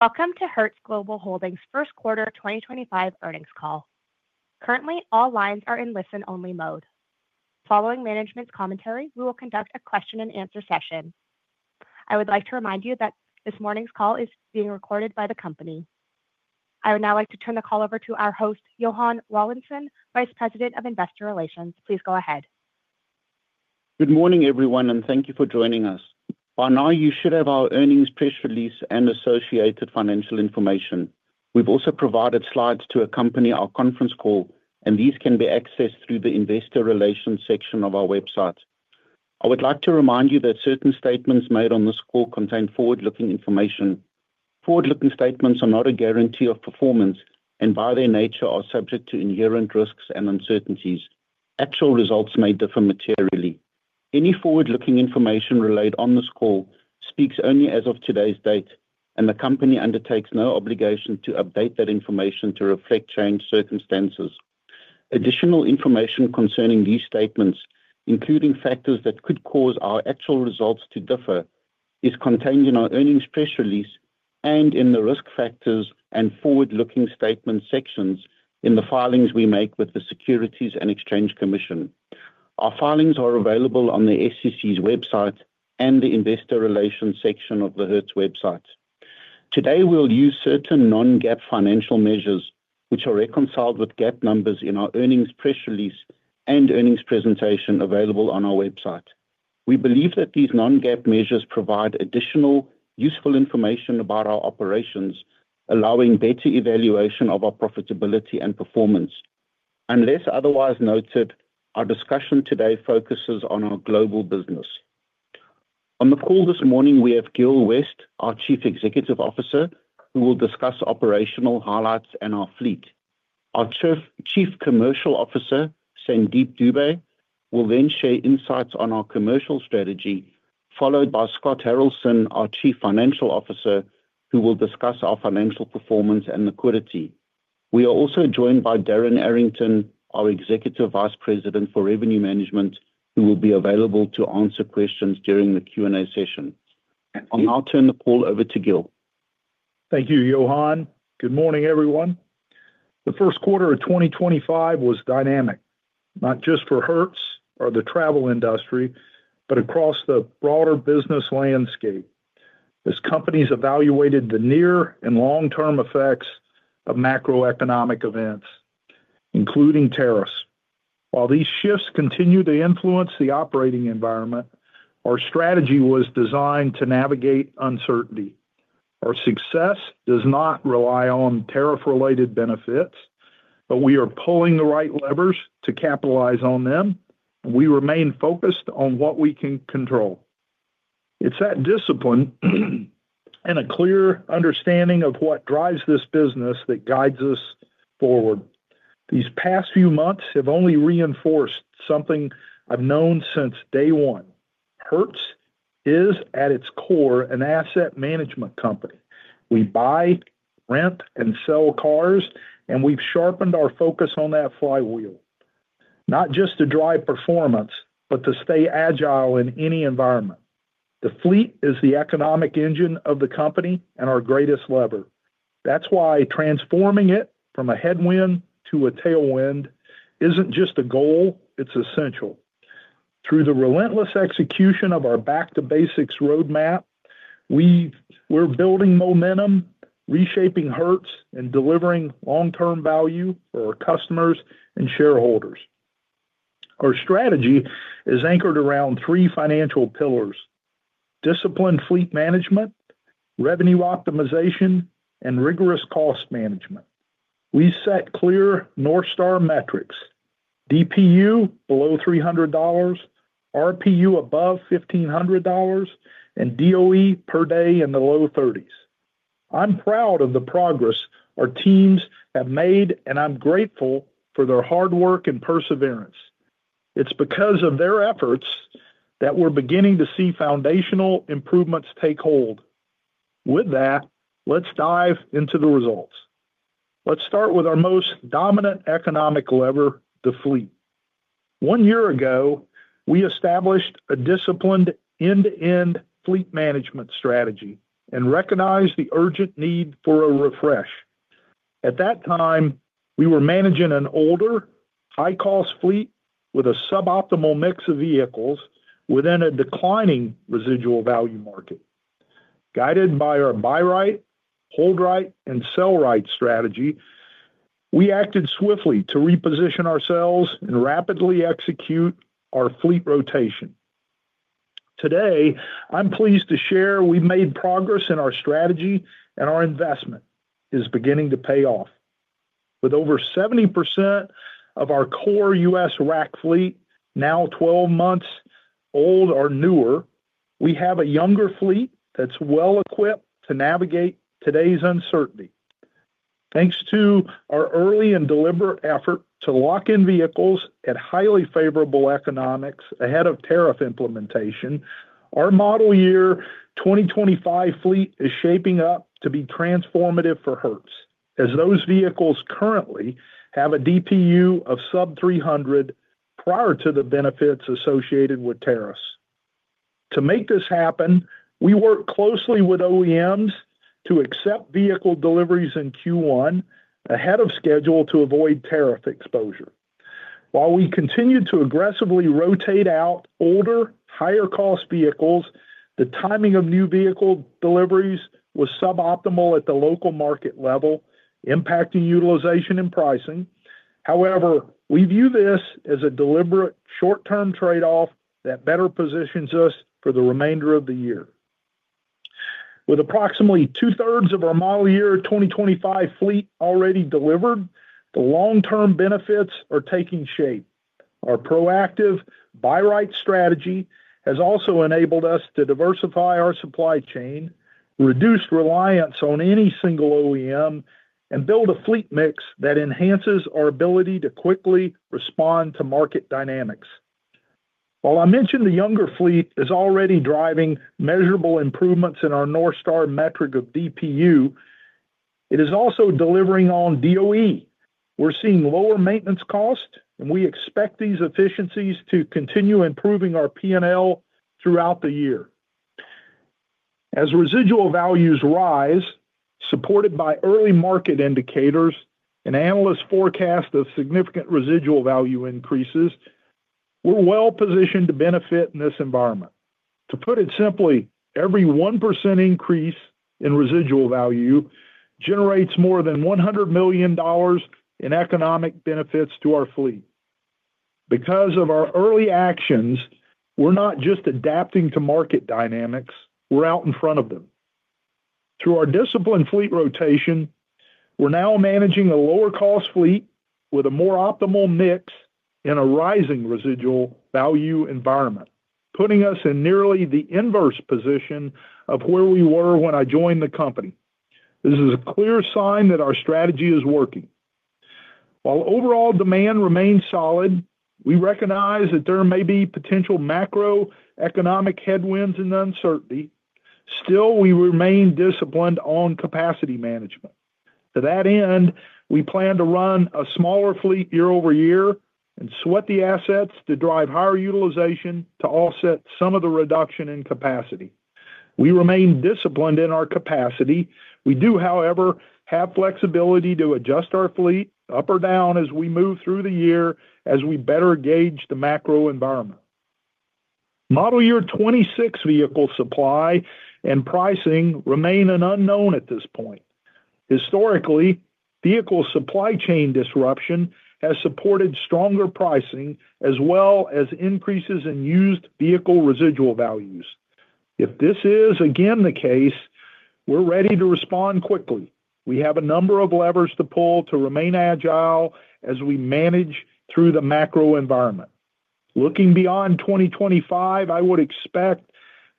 Welcome to Hertz Global Holdings' First Quarter 2025 earnings call. Currently, all lines are in listen-only mode. Following management's commentary, we will conduct a question-and-answer session. I would like to remind you that this morning's call is being recorded by the company. I would now like to turn the call over to our host, Johann Rawlinson, Vice President of Investor Relations. Please go ahead. Good morning, everyone, and thank you for joining us. By now, you should have our earnings press release and associated financial information. We've also provided slides to accompany our conference call, and these can be accessed through the Investor Relations section of our website. I would like to remind you that certain statements made on this call contain forward-looking information. Forward-looking statements are not a guarantee of performance and, by their nature, are subject to inherent risks and uncertainties. Actual results may differ materially. Any forward-looking information relayed on this call speaks only as of today's date, and the company undertakes no obligation to update that information to reflect changed circumstances. Additional information concerning these statements, including factors that could cause our actual results to differ, is contained in our earnings press release and in the risk factors and forward-looking statements sections in the filings we make with the Securities and Exchange Commission. Our filings are available on the SEC's website and the Investor Relations section of the Hertz website. Today, we'll use certain non-GAAP financial measures, which are reconciled with GAAP numbers in our earnings press release and earnings presentation available on our website. We believe that these non-GAAP measures provide additional useful information about our operations, allowing better evaluation of our profitability and performance. Unless otherwise noted, our discussion today focuses on our global business. On the call this morning, we have Gil West, our Chief Executive Officer, who will discuss operational highlights and our fleet. Our Chief Commercial Officer, Sandeep Dube, will then share insights on our commercial strategy, followed by Scott Haralson, our Chief Financial Officer, who will discuss our financial performance and liquidity. We are also joined by Darren Arrington, our Executive Vice President for Revenue Management, who will be available to answer questions during the Q&A session. I'll now turn the call over to Gil. Thank you, Johann. Good morning, everyone. The first quarter of 2025 was dynamic, not just for Hertz or the travel industry, but across the broader business landscape. As companies evaluated the near and long-term effects of macroeconomic events, including tariffs, while these shifts continue to influence the operating environment, our strategy was designed to navigate uncertainty. Our success does not rely on tariff-related benefits, but we are pulling the right levers to capitalize on them, and we remain focused on what we can control. It's that discipline and a clear understanding of what drives this business that guides us forward. These past few months have only reinforced something I've known since day one. Hertz is, at its core, an asset management company. We buy, rent, and sell cars, and we've sharpened our focus on that flywheel, not just to drive performance, but to stay agile in any environment. The fleet is the economic engine of the company and our greatest lever. That's why transforming it from a headwind to a tailwind isn't just a goal, it's essential. Through the relentless execution of our Back-to-Basics roadmap, we're building momentum, reshaping Hertz, and delivering long-term value for our customers and shareholders. Our strategy is anchored around three financial pillars: disciplined fleet management, revenue optimization, and rigorous cost management. We set clear North Star metrics: DPU below $300, RPU above $1,500, and DOE per day in the low 30s. I'm proud of the progress our teams have made, and I'm grateful for their hard work and perseverance. It's because of their efforts that we're beginning to see foundational improvements take hold. With that, let's dive into the results. Let's start with our most dominant economic lever, the fleet. One year ago, we established a disciplined end-to-end fleet management strategy and recognized the urgent need for a refresh. At that time, we were managing an older, high-cost fleet with a suboptimal mix of vehicles within a declining residual value market. Guided by our Buy Right, Hold Right, and Sell Right strategy, we acted swiftly to reposition ourselves and rapidly execute our fleet rotation. Today, I'm pleased to share we've made progress in our strategy, and our investment is beginning to pay off. With over 70% of our core U.S. rack fleet, now 12 months old or newer, we have a younger fleet that's well-equipped to navigate today's uncertainty. Thanks to our early and deliberate effort to lock in vehicles at highly favorable economics ahead of tariff implementation, our model year 2025 fleet is shaping up to be transformative for Hertz, as those vehicles currently have a DPU of sub-$300 prior to the benefits associated with tariffs. To make this happen, we work closely with OEMs to accept vehicle deliveries in Q1 ahead of schedule to avoid tariff exposure. While we continue to aggressively rotate out older, higher-cost vehicles, the timing of new vehicle deliveries was suboptimal at the local market level, impacting utilization and pricing. However, we view this as a deliberate short-term trade-off that better positions us for the remainder of the year. With approximately two-thirds of our model year 2025 fleet already delivered, the long-term benefits are taking shape. Our proactive Buy Right strategy has also enabled us to diversify our supply chain, reduce reliance on any single OEM, and build a fleet mix that enhances our ability to quickly respond to market dynamics. While I mentioned the younger fleet is already driving measurable improvements in our North Star metric of DPU, it is also delivering on DOE. We're seeing lower maintenance costs, and we expect these efficiencies to continue improving our P&L throughout the year. As residual values rise, supported by early market indicators, and analysts forecast, the significant residual value increases, we're well-positioned to benefit in this environment. To put it simply, every 1% increase in residual value generates more than $100 million in economic benefits to our fleet. Because of our early actions, we're not just adapting to market dynamics; we're out in front of them. Through our disciplined fleet rotation, we're now managing a lower-cost fleet with a more optimal mix in a rising residual value environment, putting us in nearly the inverse position of where we were when I joined the company. This is a clear sign that our strategy is working. While overall demand remains solid, we recognize that there may be potential macroeconomic headwinds and uncertainty. Still, we remain disciplined on capacity management. To that end, we plan to run a smaller fleet year over year and sweat the assets to drive higher utilization to offset some of the reduction in capacity. We remain disciplined in our capacity. We do, however, have flexibility to adjust our fleet up or down as we move through the year as we better gauge the macro environment. Model year 2026 vehicle supply and pricing remain an unknown at this point. Historically, vehicle supply chain disruption has supported stronger pricing as well as increases in used vehicle residual values. If this is again the case, we're ready to respond quickly. We have a number of levers to pull to remain agile as we manage through the macro environment. Looking beyond 2025, I would expect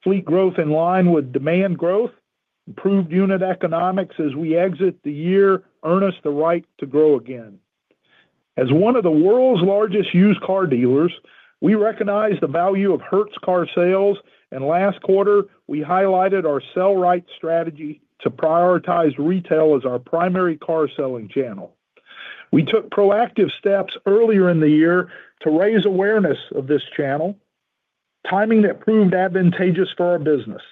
fleet growth in line with demand growth, improved unit economics as we exit the year, earn us the right to grow again. As one of the world's largest used car dealers, we recognize the value of Hertz Car sales, and last quarter, we highlighted our Sell Right strategy to prioritize retail as our primary car selling channel. We took proactive steps earlier in the year to raise awareness of this channel, timing that proved advantageous for our business.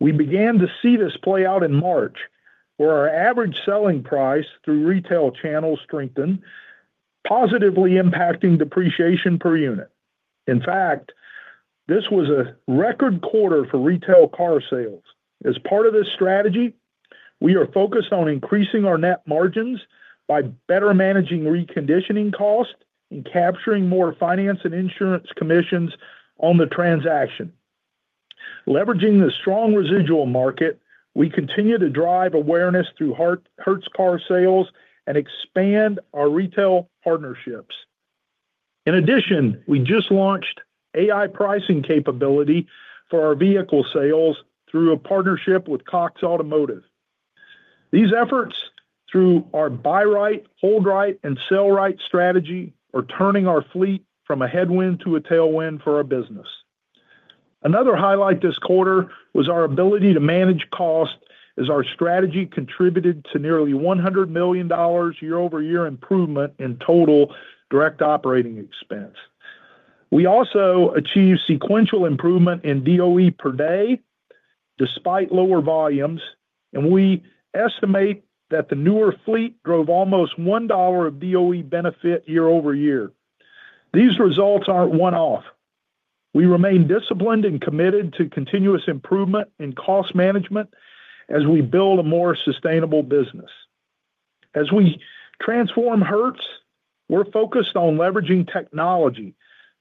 We began to see this play out in March, where our average selling price through retail channels strengthened, positively impacting depreciation per unit. In fact, this was a record quarter for retail car sales. As part of this strategy, we are focused on increasing our net margins by better managing reconditioning costs and capturing more finance and insurance commissions on the transaction. Leveraging the strong residual market, we continue to drive awareness through Hertz Car Sales and expand our retail partnerships. In addition, we just launched AI pricing capability for our vehicle sales through a partnership with Cox Automotive. These efforts, through our Buy Right, Hold Right, and Sell Right strategy, are turning our fleet from a headwind to a tailwind for our business. Another highlight this quarter was our ability to manage costs, as our strategy contributed to nearly $100 million year-over-year improvement in total direct operating expense. We also achieved sequential improvement in DOE per day despite lower volumes, and we estimate that the newer fleet drove almost $1 of DOE benefit year-over-year. These results aren't one-off. We remain disciplined and committed to continuous improvement in cost management as we build a more sustainable business. As we transform Hertz, we're focused on leveraging technology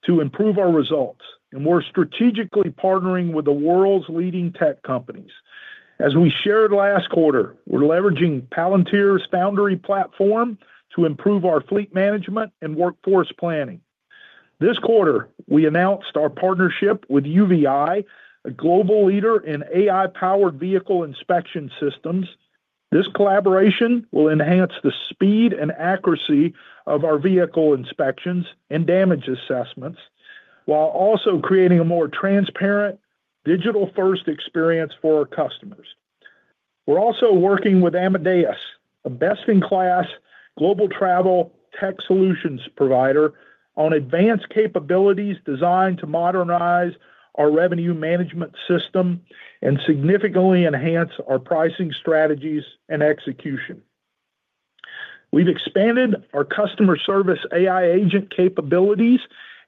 to improve our results, and we're strategically partnering with the world's leading tech companies. As we shared last quarter, we're leveraging Palantir's Foundry platform to improve our fleet management and workforce planning. This quarter, we announced our partnership with UVeye, a global leader in AI-powered vehicle inspection systems. This collaboration will enhance the speed and accuracy of our vehicle inspections and damage assessments, while also creating a more transparent, digital-first experience for our customers. We're also working with Amadeus, a best-in-class global travel tech solutions provider, on advanced capabilities designed to modernize our revenue management system and significantly enhance our pricing strategies and execution. We've expanded our customer service AI agent capabilities,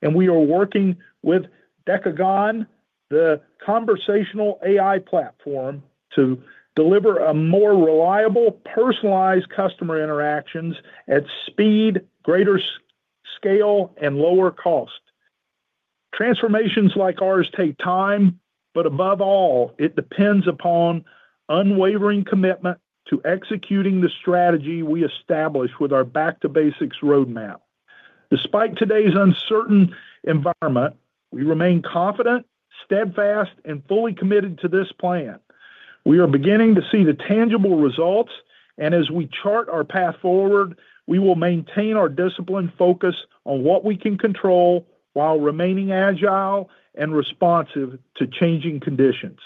and we are working with Decagon, the conversational AI platform, to deliver more reliable, personalized customer interactions at speed, greater scale, and lower cost. Transformations like ours take time, but above all, it depends upon unwavering commitment to executing the strategy we established with our Back-to-Basics roadmap. Despite today's uncertain environment, we remain confident, steadfast, and fully committed to this plan. We are beginning to see the tangible results, and as we chart our path forward, we will maintain our disciplined focus on what we can control while remaining agile and responsive to changing conditions.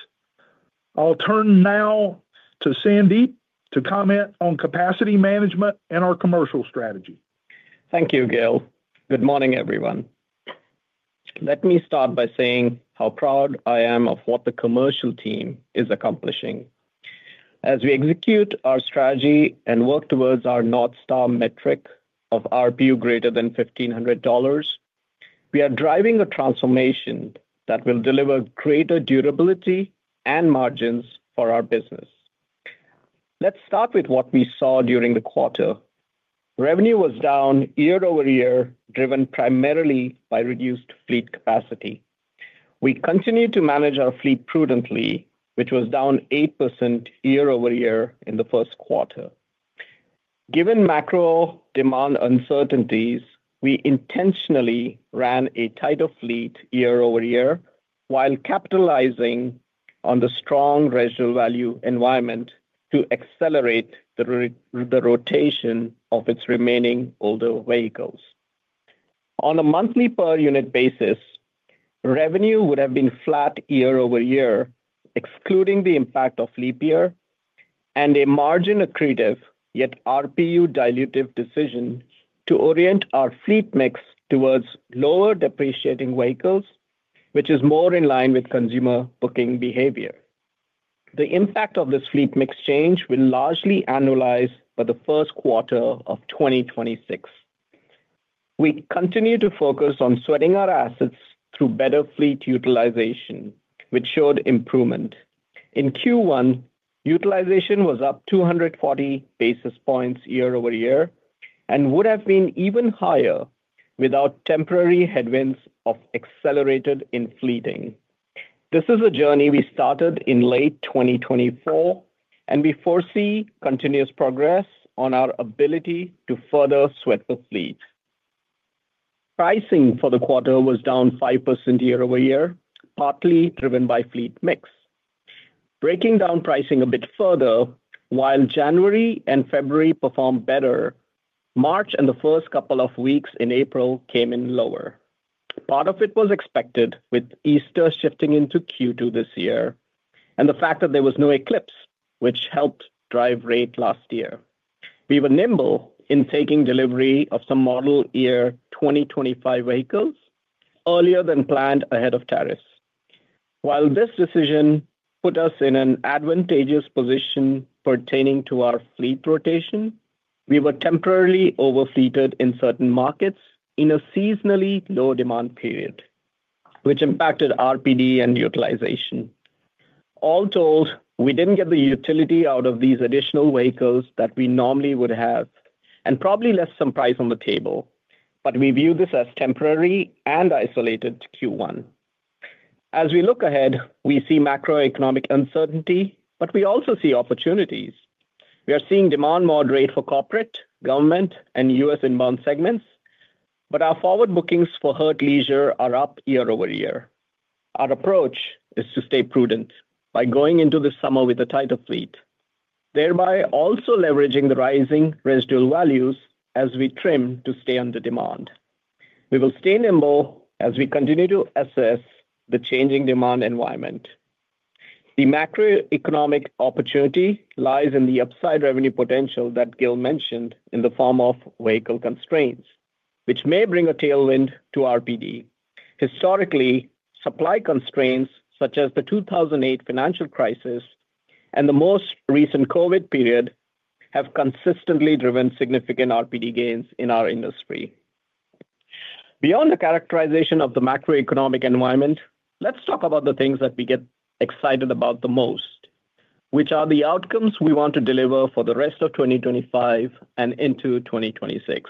I'll turn now to Sandeep to comment on capacity management and our commercial strategy. Thank you, Gil. Good morning, everyone. Let me start by saying how proud I am of what the commercial team is accomplishing. As we execute our strategy and work towards our North Star metric of RPU greater than $1,500, we are driving a transformation that will deliver greater durability and margins for our business. Let's start with what we saw during the quarter. Revenue was down year-over-year, driven primarily by reduced fleet capacity. We continued to manage our fleet prudently, which was down 8% year-over-year in the first quarter. Given macro demand uncertainties, we intentionally ran a tighter fleet year-over-year while capitalizing on the strong residual value environment to accelerate the rotation of its remaining older vehicles. On a monthly per-unit basis, revenue would have been flat year-over-year, excluding the impact of leap year, and a margin-accretive, yet RPU-dilutive decision to orient our fleet mix towards lower depreciating vehicles, which is more in line with consumer booking behavior. The impact of this fleet mix change will largely annualize by the first quarter of 2026. We continue to focus on sweating our assets through better fleet utilization, which showed improvement. In Q1, utilization was up 240 basis points year-over-year and would have been even higher without temporary headwinds of accelerated infleeting. This is a journey we started in late 2024, and we foresee continuous progress on our ability to further sweat the fleet. Pricing for the quarter was down 5% year-over-year, partly driven by fleet mix. Breaking down pricing a bit further, while January and February performed better, March and the first couple of weeks in April came in lower. Part of it was expected with Easter shifting into Q2 this year and the fact that there was no eclipse, which helped drive rate last year. We were nimble in taking delivery of some model year 2025 vehicles earlier than planned ahead of tariffs. While this decision put us in an advantageous position pertaining to our fleet rotation, we were temporarily overfleeted in certain markets in a seasonally low-demand period, which impacted RPD and utilization. All told, we didn't get the utility out of these additional vehicles that we normally would have and probably left some price on the table, but we view this as temporary and isolated to Q1. As we look ahead, we see macroeconomic uncertainty, but we also see opportunities. We are seeing demand moderate for corporate, government, and U.S. inbound segments, but our forward bookings for Hertz Leisure are up year-over-year. Our approach is to stay prudent by going into the summer with a tighter fleet, thereby also leveraging the rising residual values as we trim to stay under demand. We will stay nimble as we continue to assess the changing demand environment. The macroeconomic opportunity lies in the upside revenue potential that Gil mentioned in the form of vehicle constraints, which may bring a tailwind to RPD. Historically, supply constraints such as the 2008 financial crisis and the most recent COVID period have consistently driven significant RPD gains in our industry. Beyond the characterization of the macroeconomic environment, let's talk about the things that we get excited about the most, which are the outcomes we want to deliver for the rest of 2025 and into 2026.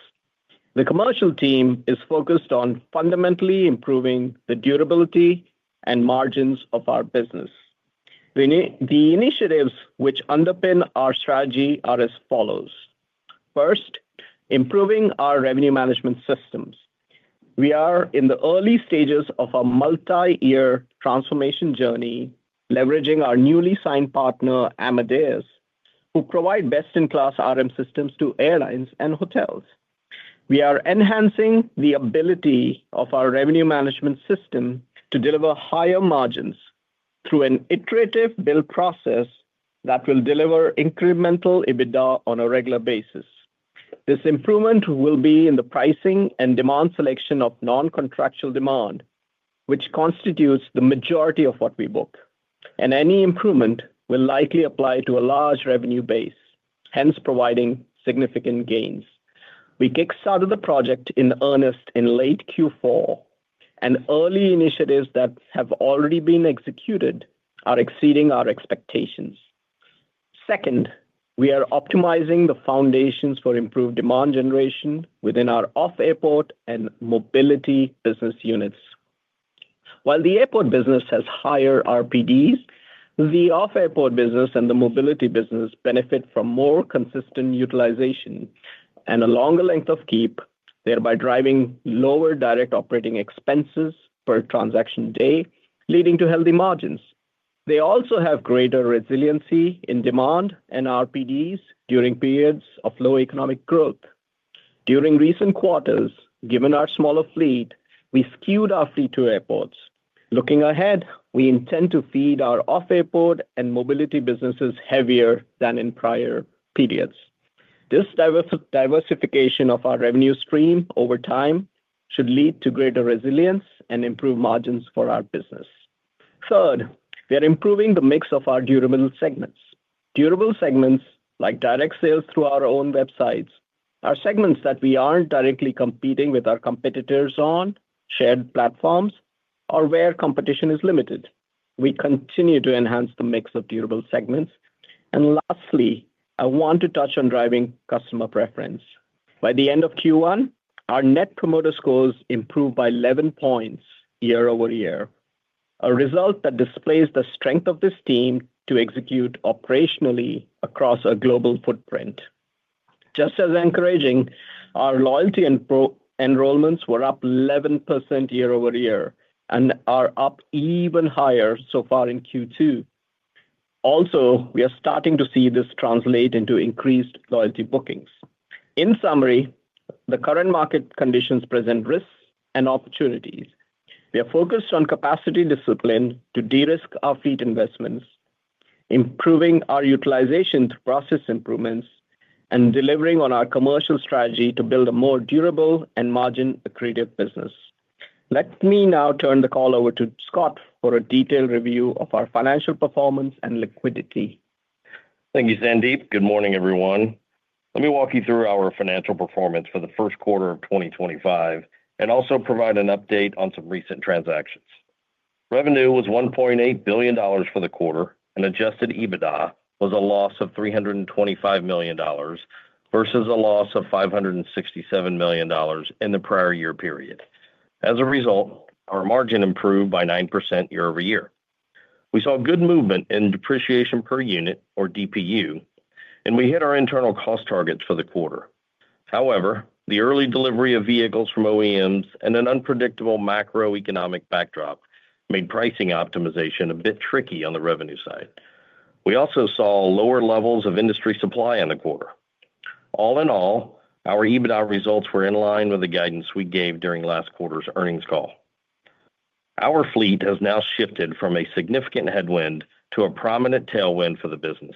The commercial team is focused on fundamentally improving the durability and margins of our business. The initiatives which underpin our strategy are as follows. First, improving our revenue management systems. We are in the early stages of a multi-year transformation journey, leveraging our newly signed partner, Amadeus, who provides best-in-class RM systems to airlines and hotels. We are enhancing the ability of our revenue management system to deliver higher margins through an iterative bill process that will deliver incremental EBITDA on a regular basis. This improvement will be in the pricing and demand selection of non-contractual demand, which constitutes the majority of what we book, and any improvement will likely apply to a large revenue base, hence providing significant gains. We kickstarted the project in earnest in late Q4, and early initiatives that have already been executed are exceeding our expectations. Second, we are optimizing the foundations for improved demand generation within our off-airport and mobility business units. While the airport business has higher RPDs, the off-airport business and the mobility business benefit from more consistent utilization and a longer length of keep, thereby driving lower direct operating expenses per transaction day, leading to healthy margins. They also have greater resiliency in demand and RPDs during periods of low economic growth. During recent quarters, given our smaller fleet, we skewed our fleet to airports. Looking ahead, we intend to feed our off-airport and mobility businesses heavier than in prior periods. This diversification of our revenue stream over time should lead to greater resilience and improved margins for our business. Third, we are improving the mix of our durable segments. Durable segments, like direct sales through our own websites, are segments that we aren't directly competing with our competitors on shared platforms or where competition is limited. We continue to enhance the mix of durable segments. Lastly, I want to touch on driving customer preference. By the end of Q1, our net promoter scores improved by 11 points year-over-year, a result that displays the strength of this team to execute operationally across a global footprint. Just as encouraging, our loyalty enrollments were up 11% year-over-year and are up even higher so far in Q2. Also, we are starting to see this translate into increased loyalty bookings. In summary, the current market conditions present risks and opportunities. We are focused on capacity discipline to de-risk our fleet investments, improving our utilization through process improvements, and delivering on our commercial strategy to build a more durable and margin-accretive business. Let me now turn the call over to Scott for a detailed review of our financial performance and liquidity. Thank you, Sandeep. Good morning, everyone. Let me walk you through our financial performance for the first quarter of 2025 and also provide an update on some recent transactions. Revenue was $1.8 billion for the quarter, and adjusted EBITDA was a loss of $325 million versus a loss of $567 million in the prior year period. As a result, our margin improved by 9% year-over-year. We saw good movement in depreciation per unit, or DPU, and we hit our internal cost targets for the quarter. However, the early delivery of vehicles from OEMs and an unpredictable macroeconomic backdrop made pricing optimization a bit tricky on the revenue side. We also saw lower levels of industry supply in the quarter. All in all, our EBITDA results were in line with the guidance we gave during last quarter's earnings call. Our fleet has now shifted from a significant headwind to a prominent tailwind for the business.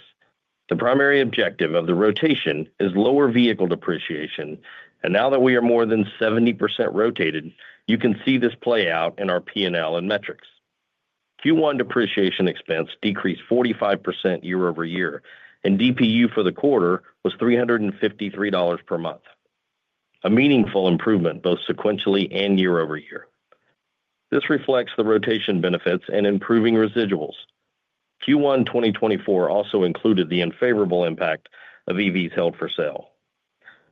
The primary objective of the rotation is lower vehicle depreciation, and now that we are more than 70% rotated, you can see this play out in our P&L and metrics. Q1 depreciation expense decreased 45% year-over-year, and DPU for the quarter was $353 per month, a meaningful improvement both sequentially and year-over-year. This reflects the rotation benefits and improving residuals. Q1 2024 also included the unfavorable impact of EVs held for sale.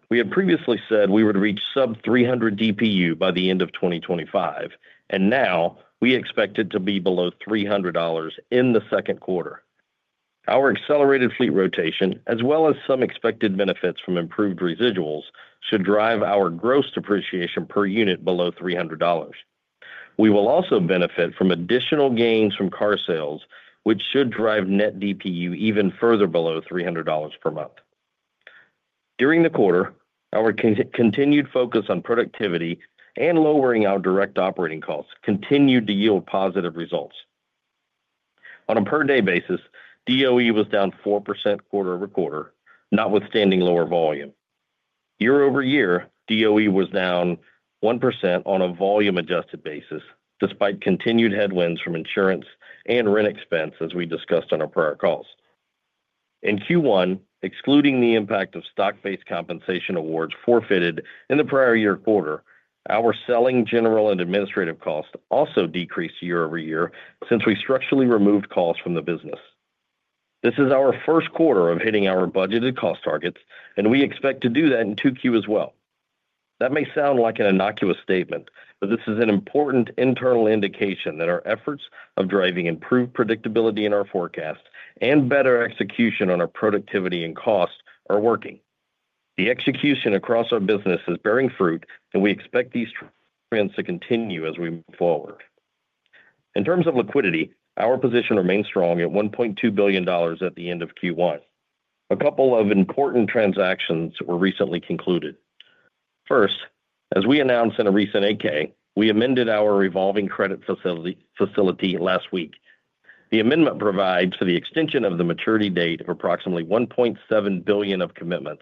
We had previously said we would reach sub-$300 DPU by the end of 2025, and now we expect it to be below $300 in the second quarter. Our accelerated fleet rotation, as well as some expected benefits from improved residuals, should drive our gross depreciation per unit below $300. We will also benefit from additional gains from car sales, which should drive net DPU even further below $300 per month. During the quarter, our continued focus on productivity and lowering our direct operating costs continued to yield positive results. On a per-day basis, DOE was down 4% quarter over quarter, notwithstanding lower volume. Year-over-year, DOE was down 1% on a volume-adjusted basis, despite continued headwinds from insurance and rent expense, as we discussed on our prior calls. In Q1, excluding the impact of stock-based compensation awards forfeited in the prior year quarter, our selling general and administrative costs also decreased year-over-year since we structurally removed costs from the business. This is our first quarter of hitting our budgeted cost targets, and we expect to do that in 2Q as well. That may sound like an innocuous statement, but this is an important internal indication that our efforts of driving improved predictability in our forecast and better execution on our productivity and costs are working. The execution across our business is bearing fruit, and we expect these trends to continue as we move forward. In terms of liquidity, our position remains strong at $1.2 billion at the end of Q1. A couple of important transactions were recently concluded. First, as we announced in a recent 8-K, we amended our revolving credit facility last week. The amendment provides for the extension of the maturity date of approximately $1.7 billion of commitments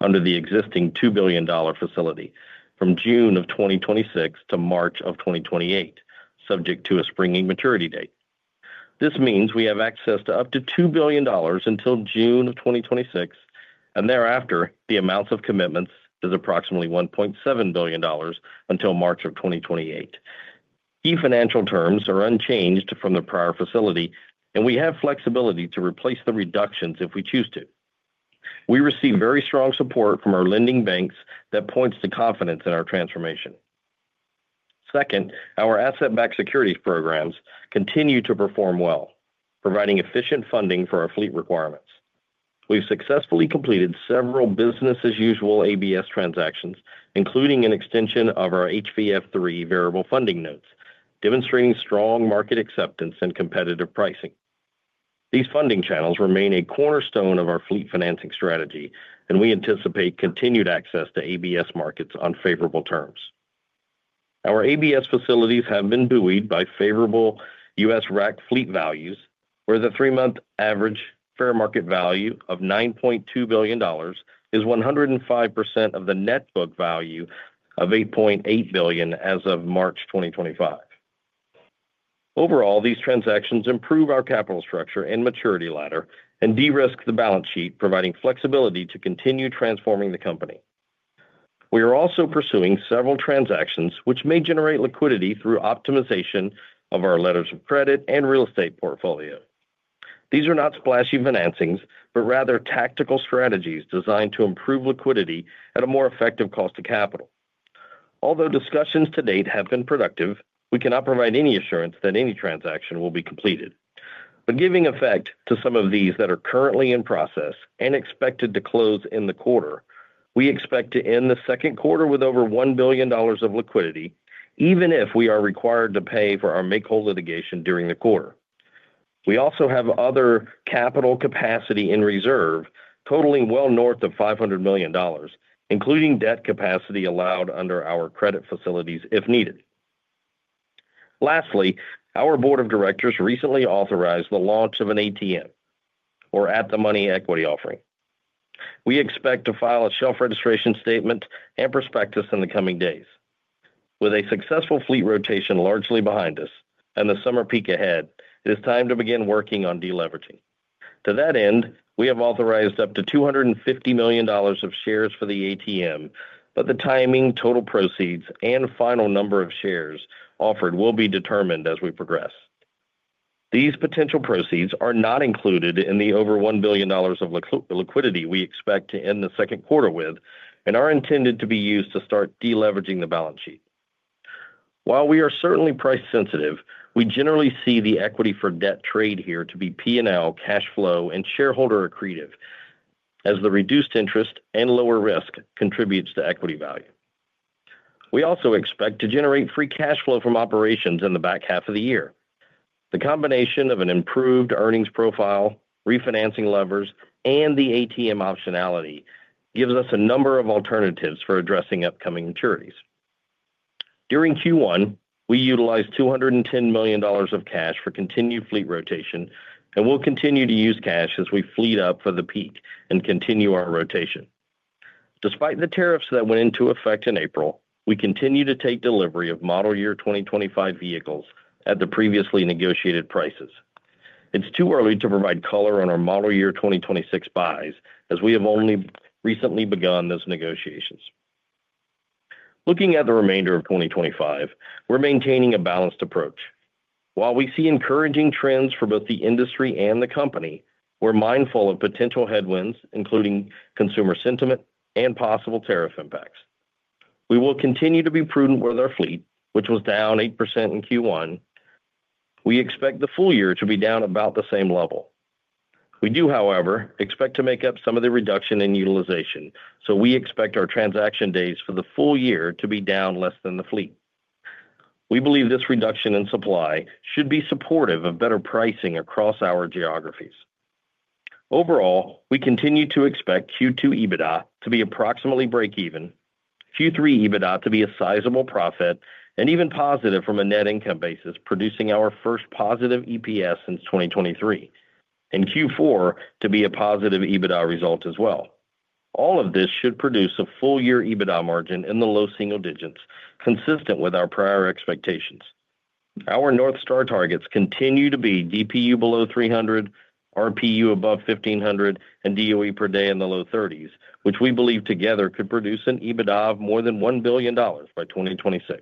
under the existing $2 billion facility from June of 2026 to March of 2028, subject to a springing maturity date. This means we have access to up to $2 billion until June of 2026, and thereafter, the amounts of commitments is approximately $1.7 billion until March of 2028. Key financial terms are unchanged from the prior facility, and we have flexibility to replace the reductions if we choose to. We receive very strong support from our lending banks that points to confidence in our transformation. Second, our asset-backed securities programs continue to perform well, providing efficient funding for our fleet requirements. We've successfully completed several business-as-usual ABS transactions, including an extension of our HVF3 variable funding notes, demonstrating strong market acceptance and competitive pricing. These funding channels remain a cornerstone of our fleet financing strategy, and we anticipate continued access to ABS markets on favorable terms. Our ABS facilities have been buoyed by favorable U.S. RAC fleet values, where the three-month average fair market value of $9.2 billion is 105% of the net book value of $8.8 billion as of March 2025. Overall, these transactions improve our capital structure and maturity ladder and de-risk the balance sheet, providing flexibility to continue transforming the company. We are also pursuing several transactions which may generate liquidity through optimization of our letters of credit and real estate portfolio. These are not splashy financings, but rather tactical strategies designed to improve liquidity at a more effective cost of capital. Although discussions to date have been productive, we cannot provide any assurance that any transaction will be completed. Giving effect to some of these that are currently in process and expected to close in the quarter, we expect to end the second quarter with over $1 billion of liquidity, even if we are required to pay for our make-whole litigation during the quarter. We also have other capital capacity in reserve totaling well north of $500 million, including debt capacity allowed under our credit facilities if needed. Lastly, our board of directors recently authorized the launch of an ATM, or at-the-market equity offering. We expect to file a shelf registration statement and prospectus in the coming days. With a successful fleet rotation largely behind us and the summer peak ahead, it is time to begin working on deleveraging. To that end, we have authorized up to $250 million of shares for the ATM, but the timing, total proceeds, and final number of shares offered will be determined as we progress. These potential proceeds are not included in the over $1 billion of liquidity we expect to end the second quarter with and are intended to be used to start deleveraging the balance sheet. While we are certainly price-sensitive, we generally see the equity for debt trade here to be P&L, cash flow, and shareholder accretive, as the reduced interest and lower risk contributes to equity value. We also expect to generate free cash flow from operations in the back half of the year. The combination of an improved earnings profile, refinancing levers, and the ATM optionality gives us a number of alternatives for addressing upcoming maturities. During Q1, we utilized $210 million of cash for continued fleet rotation, and we'll continue to use cash as we fleet up for the peak and continue our rotation. Despite the tariffs that went into effect in April, we continue to take delivery of model year 2025 vehicles at the previously negotiated prices. It's too early to provide color on our model year 2026 buys, as we have only recently begun those negotiations. Looking at the remainder of 2025, we're maintaining a balanced approach. While we see encouraging trends for both the industry and the company, we're mindful of potential headwinds, including consumer sentiment and possible tariff impacts. We will continue to be prudent with our fleet, which was down 8% in Q1. We expect the full year to be down about the same level. We do, however, expect to make up some of the reduction in utilization, so we expect our transaction days for the full year to be down less than the fleet. We believe this reduction in supply should be supportive of better pricing across our geographies. Overall, we continue to expect Q2 EBITDA to be approximately break-even, Q3 EBITDA to be a sizable profit, and even positive from a net income basis, producing our first positive EPS since 2023, and Q4 to be a positive EBITDA result as well. All of this should produce a full-year EBITDA margin in the low single digits, consistent with our prior expectations. Our North Star targets continue to be DPU below $300, RPU above $1,500, and DOE per day in the low 30s, which we believe together could produce an EBITDA of more than $1 billion by 2026.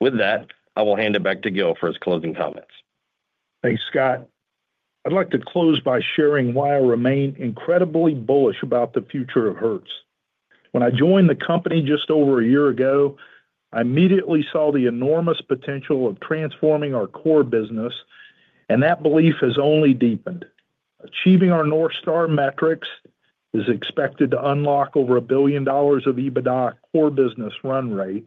With that, I will hand it back to Gil for his closing comments. Thanks, Scott. I'd like to close by sharing why I remain incredibly bullish about the future of Hertz. When I joined the company just over a year ago, I immediately saw the enormous potential of transforming our core business, and that belief has only deepened. Achieving our North Star metrics is expected to unlock over $1 billion of EBITDA core business run rate,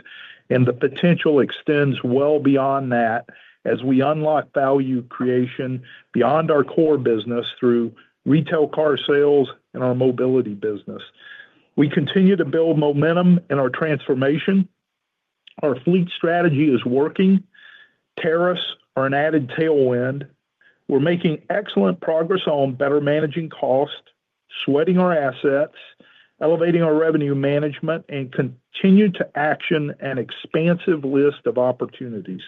and the potential extends well beyond that as we unlock value creation beyond our core business through retail car sales and our mobility business. We continue to build momentum in our transformation. Our fleet strategy is working. Tariffs are an added tailwind. We're making excellent progress on better managing costs, sweating our assets, elevating our revenue management, and continue to action an expansive list of opportunities.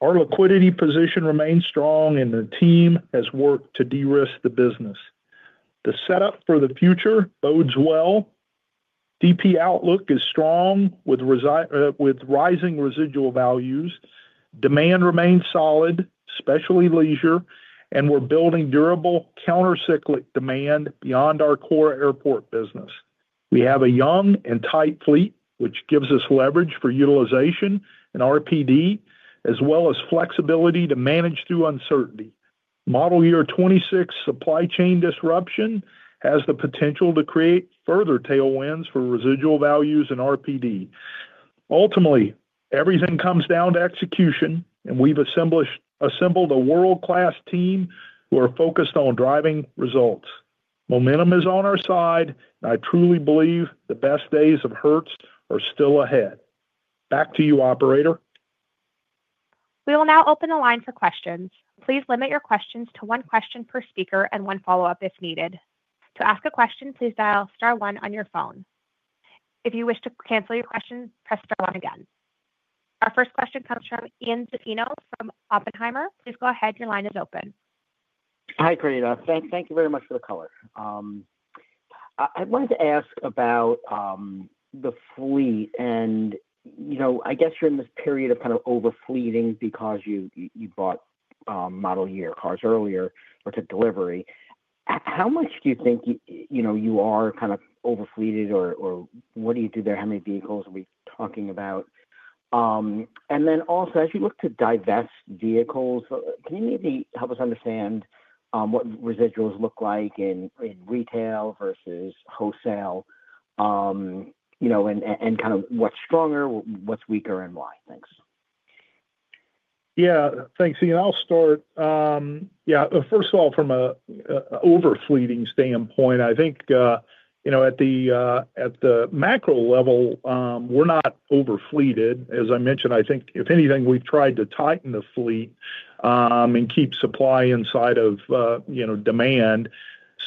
Our liquidity position remains strong, and the team has worked to de-risk the business. The setup for the future bodes well. DPU outlook is strong with rising residual values. Demand remains solid, especially leisure, and we're building durable countercyclic demand beyond our core airport business. We have a young and tight fleet, which gives us leverage for utilization and RPD, as well as flexibility to manage through uncertainty. Model year 2026 supply chain disruption has the potential to create further tailwinds for residual values and RPD. Ultimately, everything comes down to execution, and we've assembled a world-class team who are focused on driving results. Momentum is on our side, and I truly believe the best days of Hertz are still ahead. Back to you, Operator. We will now open the line for questions. Please limit your questions to one question per speaker and one follow-up if needed. To ask a question, please dial star one on your phone. If you wish to cancel your question, press star one again. Our first question comes from Ian Zaffino from Oppenheimer. Please go ahead. Your line is open. Hi, Operator. Thank you very much for the call. I wanted to ask about the fleet, and I guess you're in this period of kind of overfleeting because you bought model year cars earlier or took delivery. How much do you think you are kind of overfleeted, or what do you do there? How many vehicles are we talking about? And then also, as you look to divest vehicles, can you maybe help us understand what residuals look like in retail versus wholesale and kind of what's stronger, what's weaker, and why? Thanks. Yeah. Thanks. I'll start. Yeah. First of all, from an overfleeting standpoint, I think at the macro level, we're not overfleeted. As I mentioned, I think, if anything, we've tried to tighten the fleet and keep supply inside of demand.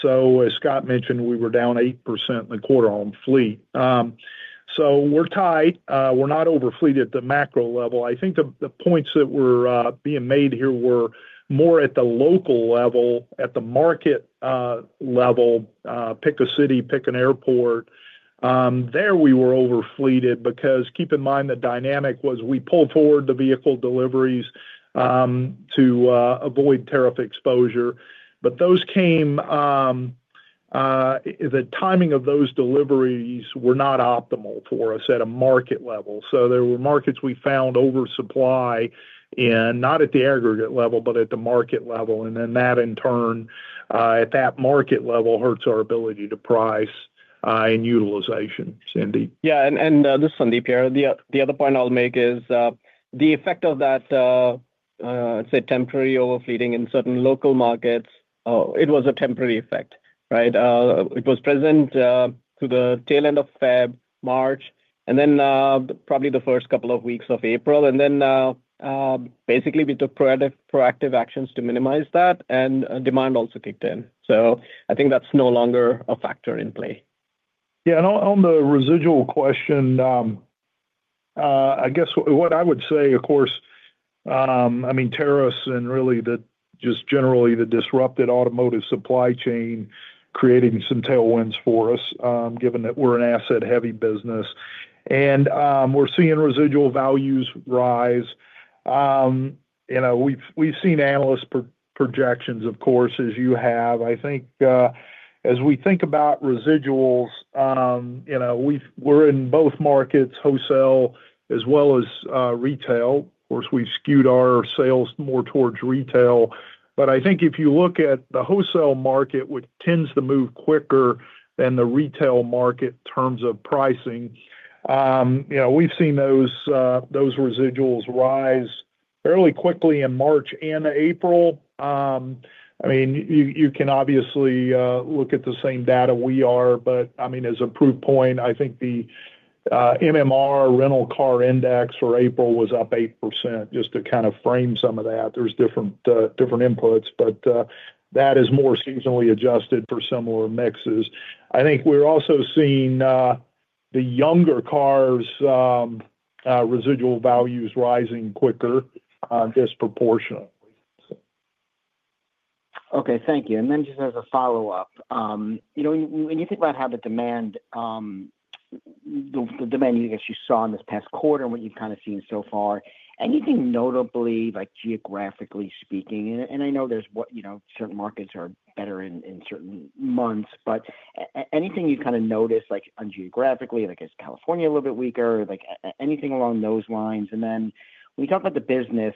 As Scott mentioned, we were down 8% in the quarter on fleet. We're tight. We're not overfleet at the macro level. I think the points that were being made here were more at the local level, at the market level, pick a city, pick an airport. There we were overfleeted because, keep in mind, the dynamic was we pulled forward the vehicle deliveries to avoid tariff exposure, but the timing of those deliveries were not optimal for us at a market level. There were markets we found oversupply in, not at the aggregate level, but at the market level. That, in turn, at that market level, hurts our ability to price and utilization, Sandeep. Yeah. This is Sandeep here. The other point I'll make is the effect of that, I'd say, temporary overfleeting in certain local markets. It was a temporary effect, right? It was present through the tail end of February, March, and then probably the first couple of weeks of April. Basically, we took proactive actions to minimize that, and demand also kicked in. I think that's no longer a factor in play. Yeah. On the residual question, I guess what I would say, of course, I mean, tariffs and really just generally the disrupted automotive supply chain creating some tailwinds for us, given that we're an asset-heavy business. We're seeing residual values rise. We've seen analyst projections, of course, as you have. I think as we think about residuals, we're in both markets, wholesale as well as retail. Of course, we've skewed our sales more towards retail. I think if you look at the wholesale market, which tends to move quicker than the retail market in terms of pricing, we've seen those residuals rise fairly quickly in March and April. I mean, you can obviously look at the same data we are, but I mean, as a proof point, I think the MMR rental car index for April was up 8%, just to kind of frame some of that. There is different inputs, but that is more seasonally adjusted for similar mixes. I think we're also seeing the younger cars' residual values rising quicker disproportionately. Okay. Thank you. Just as a follow-up, when you think about how the demand you guys saw in this past quarter and what you've kind of seen so far, anything notably, geographically speaking? I know certain markets are better in certain months, but anything you've kind of noticed geographically, like is California a little bit weaker, anything along those lines? When you talk about the business,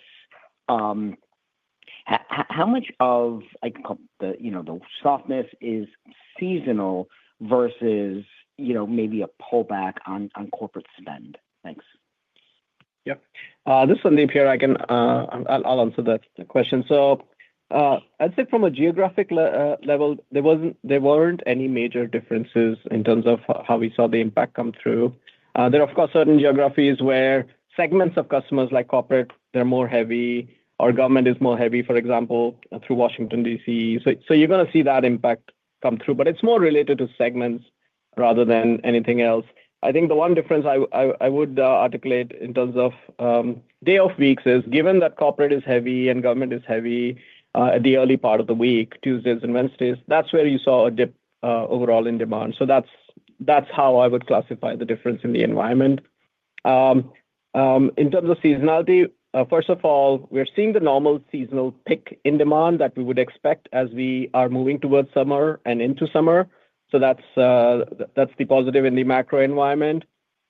how much of the softness is seasonal versus maybe a pullback on corporate spend? Thanks. Yes. This is Sandeep here. I'll answer that question. I'd say from a geographic level, there weren't any major differences in terms of how we saw the impact come through. There are, of course, certain geographies where segments of customers like corporate, they're more heavy, or government is more heavy, for example, through Washington, D.C.. You're going to see that impact come through, but it's more related to segments rather than anything else. I think the one difference I would articulate in terms of day of weeks is given that corporate is heavy and government is heavy at the early part of the week, Tuesdays and Wednesdays, that's where you saw a dip overall in demand. That's how I would classify the difference in the environment. In terms of seasonality, first of all, we're seeing the normal seasonal peak in demand that we would expect as we are moving towards summer and into summer. That's the positive in the macro environment.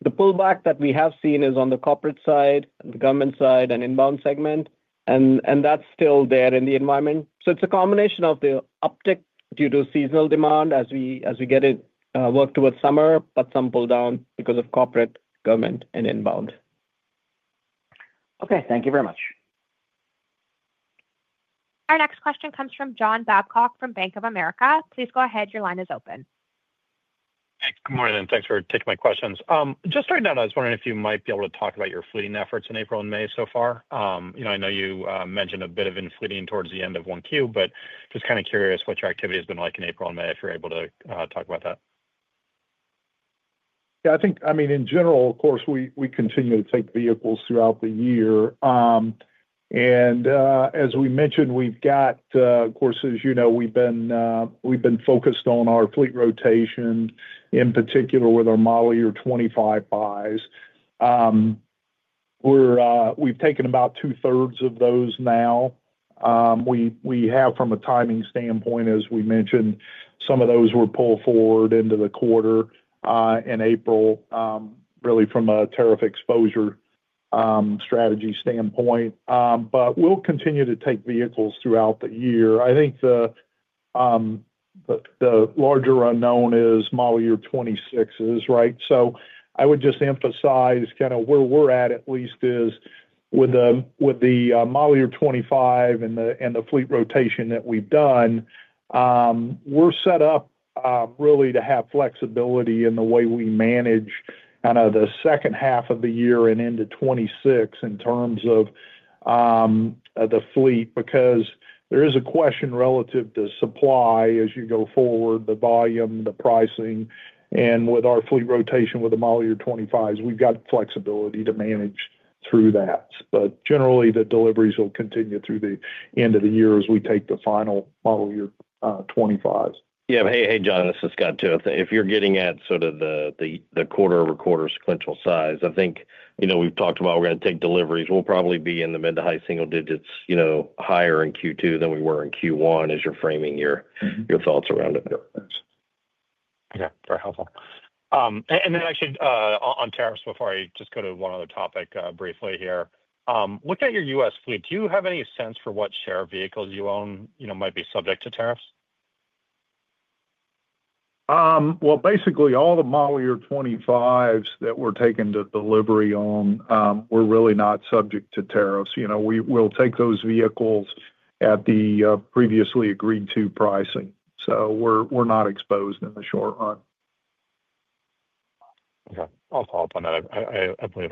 The pullback that we have seen is on the corporate side, the government side, and inbound segment, and that's still there in the environment. It's a combination of the uptick due to seasonal demand as we get it worked towards summer, but some pull down because of corporate, government, and inbound. Okay. Thank you very much. Our next question comes from John Babcock from Bank of America. Please go ahead. Your line is open. Hey. Good morning, and thanks for taking my questions. Just starting out, I was wondering if you might be able to talk about your fleeting efforts in April and May so far. I know you mentioned a bit of infleating towards the end of 1Q, but just kind of curious what your activity has been like in April and May, if you are able to talk about that. Yeah. I mean, in general, of course, we continue to take vehicles throughout the year. As we mentioned, we've got, of course, as you know, we've been focused on our fleet rotation, in particular with our model year 2025 buys. We've taken about 2/3s of those now. We have, from a timing standpoint, as we mentioned, some of those were pulled forward into the quarter in April, really from a tariff exposure strategy standpoint. We'll continue to take vehicles throughout the year. I think the larger unknown is model year 2026s, right? I would just emphasize kind of where we're at, at least, is with the model year 2025 and the fleet rotation that we've done, we're set up really to have flexibility in the way we manage kind of the second half of the year and into 2026 in terms of the fleet because there is a question relative to supply as you go forward, the volume, the pricing. With our fleet rotation with the model year 2025s, we've got flexibility to manage through that. Generally, the deliveries will continue through the end of the year as we take the final model year 2025s. Yeah. Hey, John, this is Scott too. If you're getting at sort of the quarter-over-quarter sequential size, I think we've talked about we're going to take deliveries. We'll probably be in the mid to high single digits, higher in Q2 than we were in Q1 as you're framing your thoughts around it. Okay. Very helpful. Actually, on tariffs before I just go to one other topic briefly here. Looking at your U.S. fleet, do you have any sense for what share of vehicles you own might be subject to tariffs? Basically, all the model year 2025s that we're taking delivery on, we're really not subject to tariffs. We'll take those vehicles at the previously agreed-to pricing. So we're not exposed in the short run. Okay. I'll follow up on that, I believe.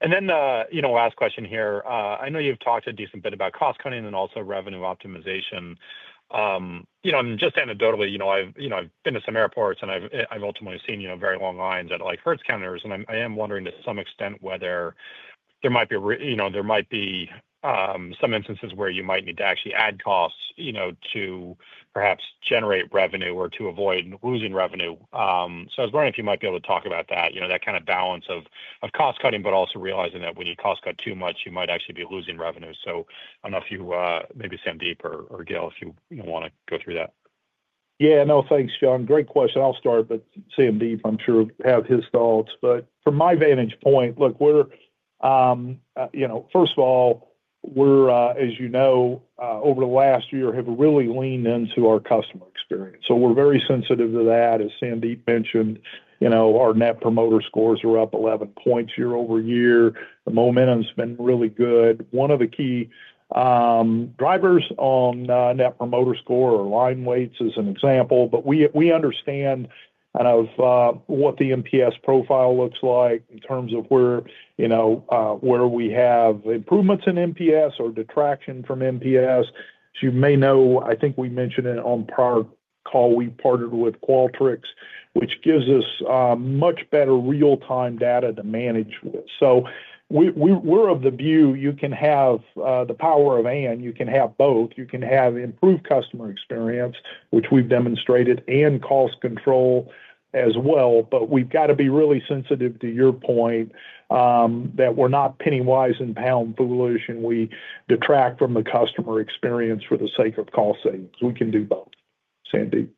And then the last question here. I know you've talked a decent bit about cost cutting and also revenue optimization. And just anecdotally, I've been to some airports, and I've ultimately seen very long lines at Hertz counters. I am wondering to some extent whether there might be some instances where you might need to actually add costs to perhaps generate revenue or to avoid losing revenue. I was wondering if you might be able to talk about that, that kind of balance of cost cutting, but also realizing that when you cost cut too much, you might actually be losing revenue. I don't know if you, maybe Sandeep or Gil, if you want to go through that. Yeah. No, thanks, John. Great question. I'll start, but Sandeep, I'm sure, has his thoughts. From my vantage point, look, first of all, we're, as you know, over the last year, have really leaned into our customer experience. We're very sensitive to that. As Sandeep mentioned, our net promoter scores are up 11 points year over year. The momentum has been really good. One of the key drivers on net promoter score or line waits as an example, but we understand kind of what the NPS profile looks like in terms of where we have improvements in NPS or detraction from NPS. As you may know, I think we mentioned it on a prior call, we partnered with Qualtrics, which gives us much better real-time data to manage with. We're of the view you can have the power of, and you can have both. You can have improved customer experience, which we've demonstrated, and cost control as well. We got to be really sensitive to your point that we're not pennywise and pound foolish, and we detract from the customer experience for the sake of cost savings. We can do both, Sandeep.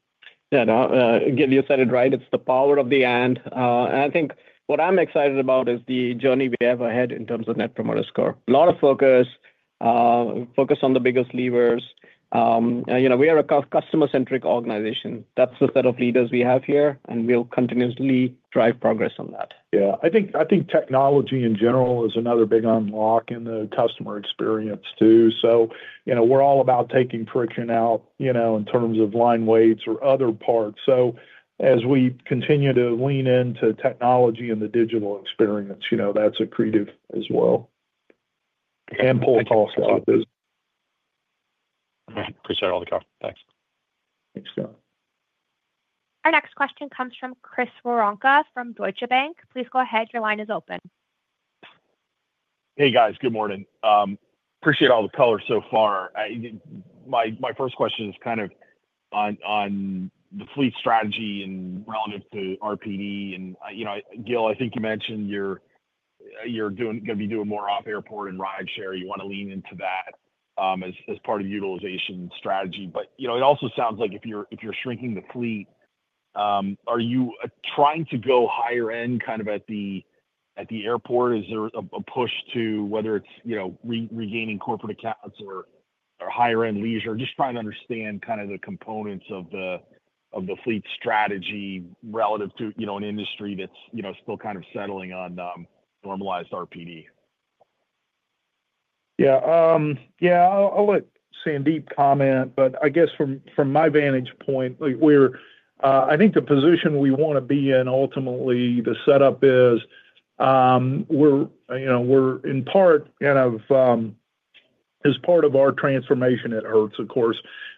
Yeah. Again, you said it right. It's the power of the and. I think what I'm excited about is the journey we have ahead in terms of net promoter score. A lot of focus on the biggest levers. We are a customer-centric organization. That's the set of leaders we have here, and we'll continuously drive progress on that. Yeah. I think technology in general is another big unlock in the customer experience too. We're all about taking friction out in terms of line waits or other parts. As we continue to lean into technology and the digital experience, that's accretive as well. And pull costs off this. Appreciate all the color. Thanks. Thanks, John. Our next question comes from Chris Woronka from Deutsche Bank. Please go ahead. Your line is open. Hey, guys. Good morning. Appreciate all the color so far. My first question is kind of on the fleet strategy and relative to RPD. And Gil, I think you mentioned you're going to be doing more off airport and rideshare; you want to lean into that as part of utilization strategy. It also sounds like if you're shrinking the fleet, are you trying to go higher-end kind of at the airport? Is there a push to whether it's regaining corporate accounts or higher-end leisure? Just trying to understand kind of the components of the fleet strategy relative to an industry that's still kind of settling on normalized RPD. Yeah. I'll let Sandeep comment, but I guess from my vantage point, I think the position we want to be in ultimately, the setup is we're in part kind of as part of our transformation at Hertz, of course.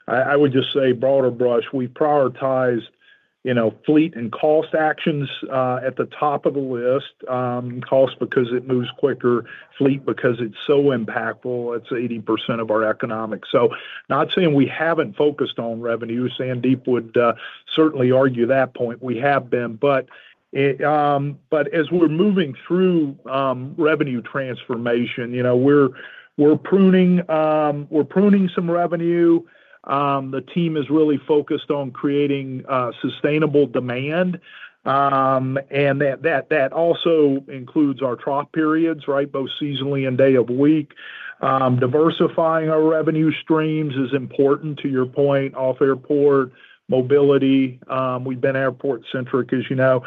I would just say broader brush, we prioritize fleet and cost actions at the top of the list. Cost because it moves quicker. Fleet because it's so impactful. It's 80% of our economics. Not saying we haven't focused on revenue. Sandeep would certainly argue that point. We have been. As we're moving through revenue transformation, we're pruning some revenue. The team is really focused on creating sustainable demand. That also includes our trough periods, right, both seasonally and day of week. Diversifying our revenue streams is important, to your point, off airport, mobility. We've been airport-centric-ish, as you know.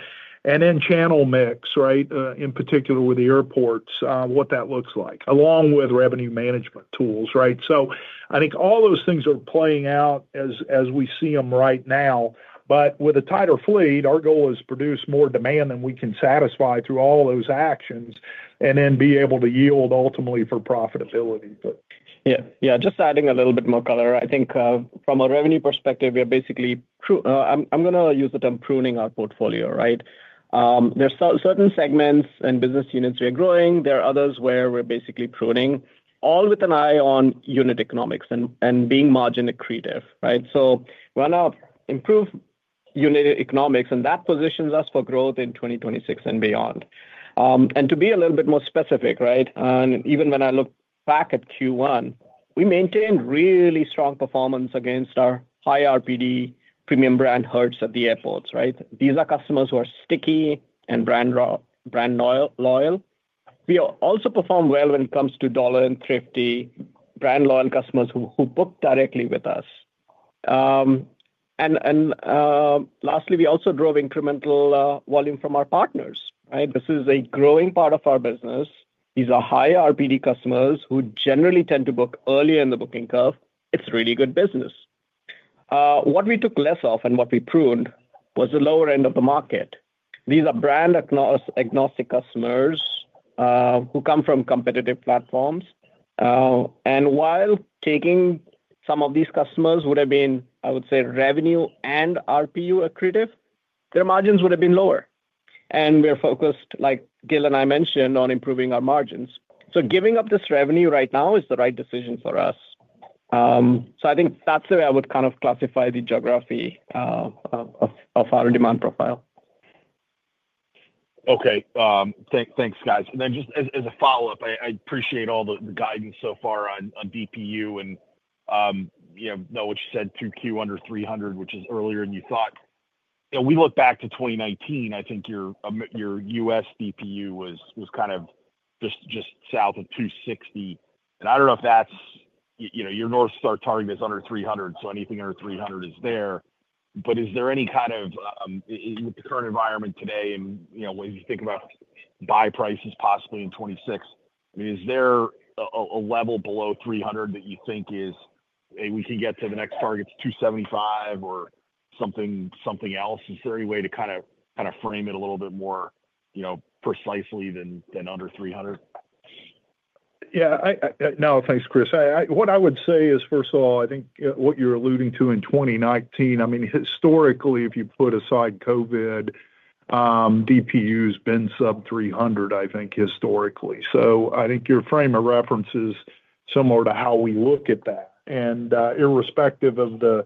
Then channel mix, right, in particular with the airports, what that looks like, along with revenue management tools, right? I think all those things are playing out as we see them right now. With a tighter fleet, our goal is to produce more demand than we can satisfy through all those actions and then be able to yield ultimately for profitability. Yeah. Just adding a little bit more color. I think from a revenue perspective, we are basically, I am going to use the term pruning our portfolio, right? There are certain segments and business units we are growing. There are others where we are basically pruning, all with an eye on unit economics and being margin accretive, right? We want to improve unit economics, and that positions us for growth in 2026 and beyond. To be a little bit more specific, right? Even when I look back at Q1, we maintained really strong performance against our high RPD Premium brand Hertz at the airports, right? These are customers who are sticky and brand loyal. We also perform well when it comes to Dollar and Thrifty, brand loyal customers who book directly with us. Lastly, we also drove incremental volume from our partners, right? This is a growing part of our business. These are high RPD customers who generally tend to book earlier in the booking curve. It's really good business. What we took less of and what we pruned was the lower end of the market. These are brand-agnostic customers who come from competitive platforms. While taking some of these customers would have been, I would say, revenue and RPU accretive, their margins would have been lower. We are focused, like Gil and I mentioned, on improving our margins. Giving up this revenue right now is the right decision for us. I think that's the way I would kind of classify the geography of our demand profile. Okay. Thanks, guys. Just as a follow-up, I appreciate all the guidance so far on DPU and know what you said 2Q under $300, which is earlier than you thought. We look back to 2019, I think your U.S. DPU was kind of just south of $260. I don't know if that's your North Star target is under $300, so anything under $300 is there. Is there any kind of, with the current environment today and as you think about buy prices possibly in 2026, I mean, is there a level below $300 that you think is, "Hey, we can get to the next targets, $275 or something else"? Is there any way to kind of frame it a little bit more precisely than under $300? Yeah. No, thanks, Chris. What I would say is, first of all, I think what you're alluding to in 2019, I mean, historically, if you put aside COVID, DPU has been sub-$300, I think, historically. I think your frame of reference is similar to how we look at that. Irrespective of the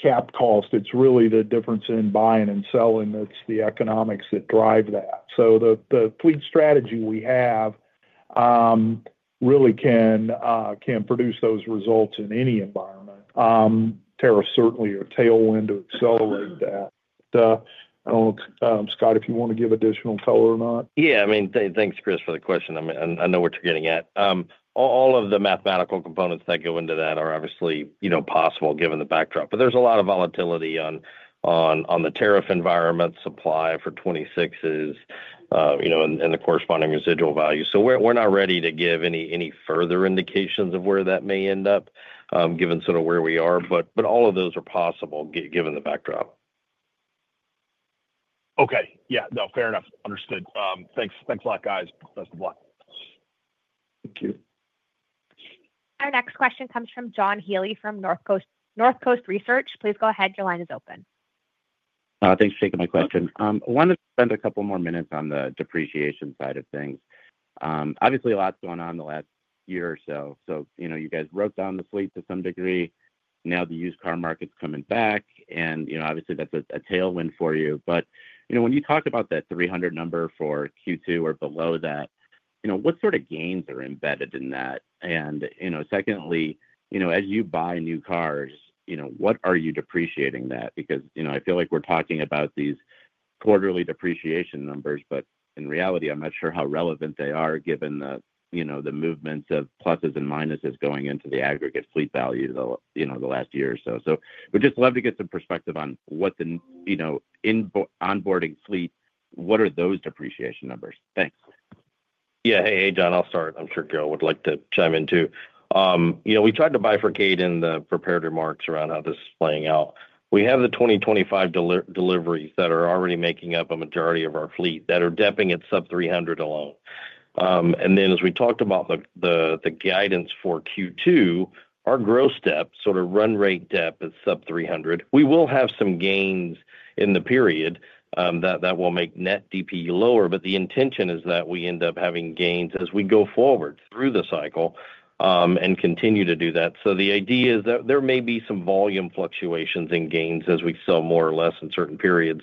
cap cost, it's really the difference in buying and selling. It's the economics that drive that. The fleet strategy we have really can produce those results in any environment. Tariffs certainly are a tailwind to accelerate that. I don't know, Scott, if you want to give additional color or not. Yeah. I mean, thanks, Chris, for the question. I know what you're getting at. All of the mathematical components that go into that are obviously possible given the backdrop. But there's a lot of volatility on the tariff environment, supply for 2026s, and the corresponding residual value. So we're not ready to give any further indications of where that may end up given sort of where we are. But all of those are possible given the backdrop. Okay. Yeah. No, fair enough. Understood. Thanks a lot, guys. Best of luck. Thank you. Our next question comes from John Healy from Northcoast Research. Please go ahead. Your line is open. Thanks for taking my question. I wanted to spend a couple more minutes on the depreciation side of things. Obviously, a lot's going on the last year or so. You guys broke down the fleet to some degree. Now the used car market's coming back. Obviously, that's a tailwind for you. When you talk about that $300 number for Q2 or below that, what sort of gains are embedded in that? Secondly, as you buy new cars, what are you depreciating that? I feel like we're talking about these quarterly depreciation numbers, but in reality, I'm not sure how relevant they are given the movements of pluses and minuses going into the aggregate fleet value the last year or so. We'd just love to get some perspective on what the onboarding fleet, what are those depreciation numbers? Thanks. Yeah. Hey, John, I'll start. I'm sure Gil would like to chime in too. We tried to bifurcate in the preparatory marks around how this is playing out. We have the 2025 deliveries that are already making up a majority of our fleet that are depping at sub-$300 alone. And then as we talked about the guidance for Q2, our gross depth, sort of run rate depth at sub-$300, we will have some gains in the period that will make net DPU lower. But the intention is that we end up having gains as we go forward through the cycle and continue to do that. The idea is that there may be some volume fluctuations in gains as we sell more or less in certain periods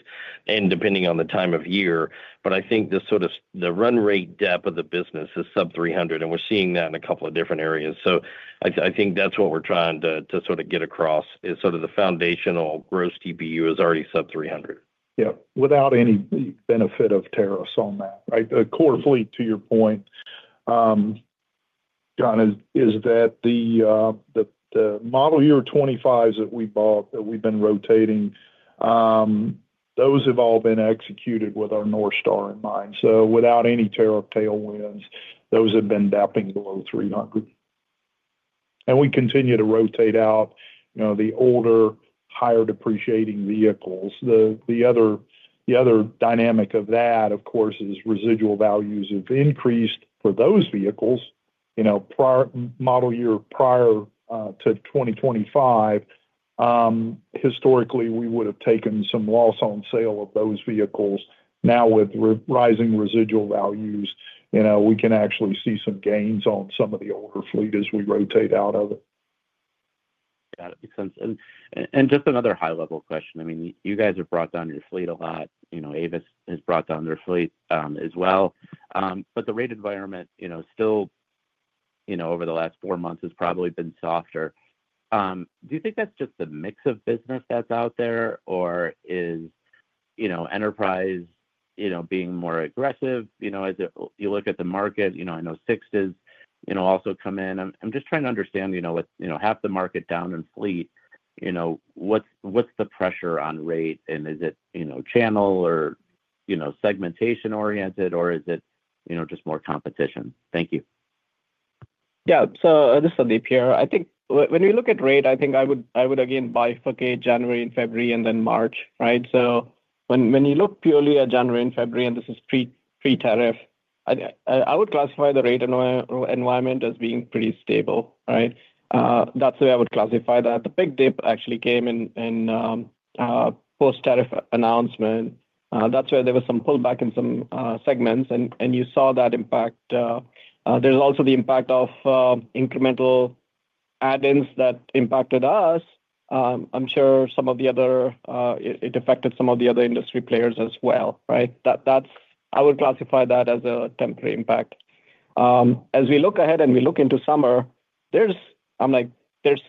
and depending on the time of year. I think the sort of the run rate depth of the business is sub-$300, and we're seeing that in a couple of different areas. I think that's what we're trying to sort of get across is sort of the foundational gross DPU is already sub-$300. Yeah. Without any benefit of tariffs on that, right? The core fleet, to your point, John, is that the model year 2025s that we've been rotating, those have all been executed with our North Star in mind. Without any tariff tailwinds, those have been depping below $300. We continue to rotate out the older, higher depreciating vehicles. The other dynamic of that, of course, is residual values have increased for those vehicles. Model year prior to 2025, historically, we would have taken some loss on sale of those vehicles. Now, with rising residual values, we can actually see some gains on some of the older fleet as we rotate out of it. Got it. Makes sense. Just another high-level question. I mean, you guys have brought down your fleet a lot. Avis has brought down their fleet as well. But the rate environment still, over the last four months, has probably been softer. Do you think that's just the mix of business that's out there, or is enterprise being more aggressive? As you look at the market, I know SIXT's also come in. I'm just trying to understand with half the market down in fleet, what's the pressure on rate? And is it channel or segmentation-oriented, or is it just more competition? Thank you. Yeah. So this is Sandeep here. I think when we look at rate, I think I would again bifurcate January and February and then March, right? So when you look purely at January and February, and this is pre-tariff, I would classify the rate environment as being pretty stable, right? That's the way I would classify that. The big dip actually came in post-tariff announcement. That's where there was some pullback in some segments, and you saw that impact. There's also the impact of incremental add-ins that impacted us. I'm sure it affected some of the other industry players as well, right? I would classify that as a temporary impact. As we look ahead and we look into summer, I'm like, there's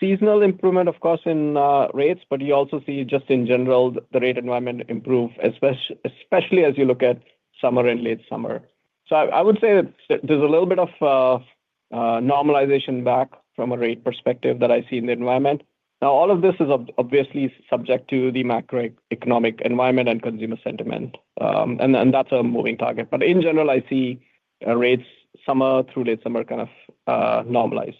seasonal improvement, of course, in rates, but you also see just in general the rate environment improve, especially as you look at summer and late summer. I would say there's a little bit of normalization back from a rate perspective that I see in the environment. Now, all of this is obviously subject to the macroeconomic environment and consumer sentiment. That's a moving target. But in general, I see rates summer through late summer kind of normalize.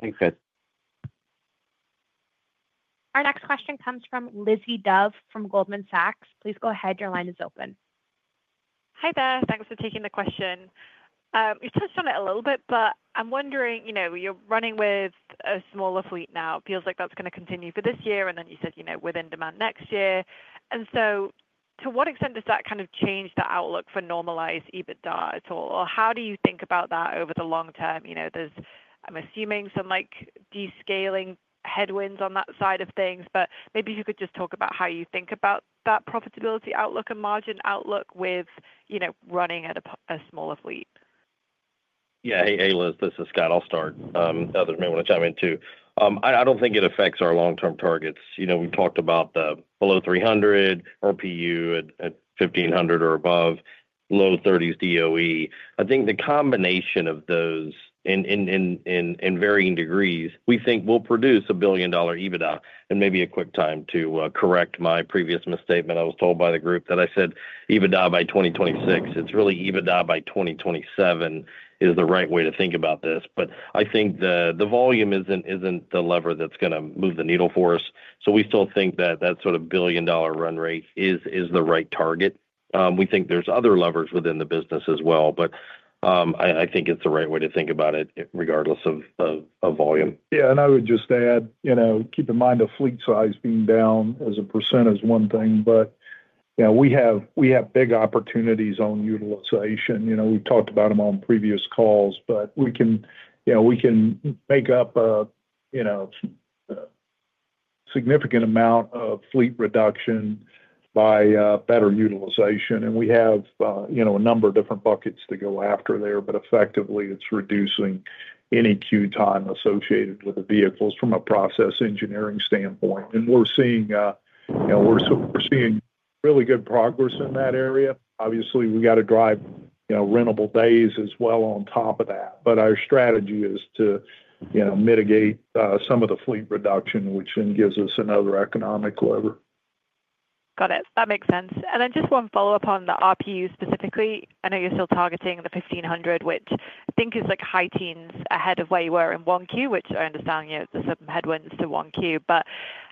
Thanks, guys. Our next question comes from Lizzie Dove from Goldman Sachs. Please go ahead. Your line is open. Hi there. Thanks for taking the question. You touched on it a little bit, but I'm wondering, you're running with a smaller fleet now. It feels like that's going to continue for this year. And then you said within demand next year. To what extent does that kind of change the outlook for normalized EBITDA at all? Or how do you think about that over the long term? I'm assuming some descaling headwinds on that side of things. Maybe if you could just talk about how you think about that profitability outlook and margin outlook with running at a smaller fleet. Yeah. Hey, Liz. This is Scott. I'll start. Others may want to chime in too. I don't think it affects our long-term targets. We talked about the below $300, RPU at $1,500 or above, low 30s DOE. I think the combination of those in varying degrees, we think will produce a $1 billion EBITDA. Maybe a quick time to correct my previous misstatement. I was told by the group that I said EBITDA by 2026. It's really EBITDA by 2027 is the right way to think about this. I think the volume isn't the lever that's going to move the needle for us. We still think that that sort of $1 billion run rate is the right target. We think there is other levers within the business as well. I think it is the right way to think about it regardless of volume. Yeah. I will just add, keep in mind the fleet size being down as a percent is one thing. We have big opportunities on utilization. We've talked about them on previous calls, but we can make up a significant amount of fleet reduction by better utilization. We have a number of different buckets to go after there. Effectively, it's reducing any queue time associated with the vehicles from a process engineering standpoint. We're seeing really good progress in that area. Obviously, we've got to drive rentable days as well on top of that. Our strategy is to mitigate some of the fleet reduction, which then gives us another economic lever. Got it. That makes sense. Just one follow-up on the RPU specifically. I know you're still targeting the $1,500, which I think is like high teens ahead of where you were in 1Q, which I understand there's some headwinds to 1Q.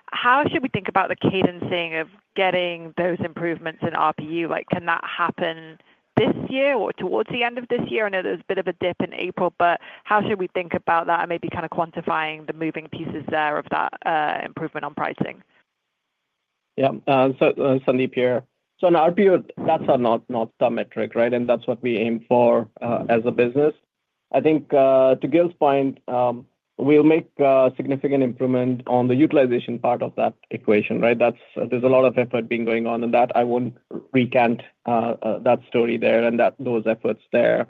How should we think about the cadencing of getting those improvements in RPU? Can that happen this year or towards the end of this year? I know there's a bit of a dip in April. How should we think about that and maybe kind of quantifying the moving pieces there of that improvement on pricing? Yeah. Sandeep here. An RPU, that's a North Star metric, right? That's what we aim for as a business. I think to Gil's point, we'll make a significant improvement on the utilization part of that equation, right? There's a lot of effort going on in that. I won't recant that story there and those efforts there.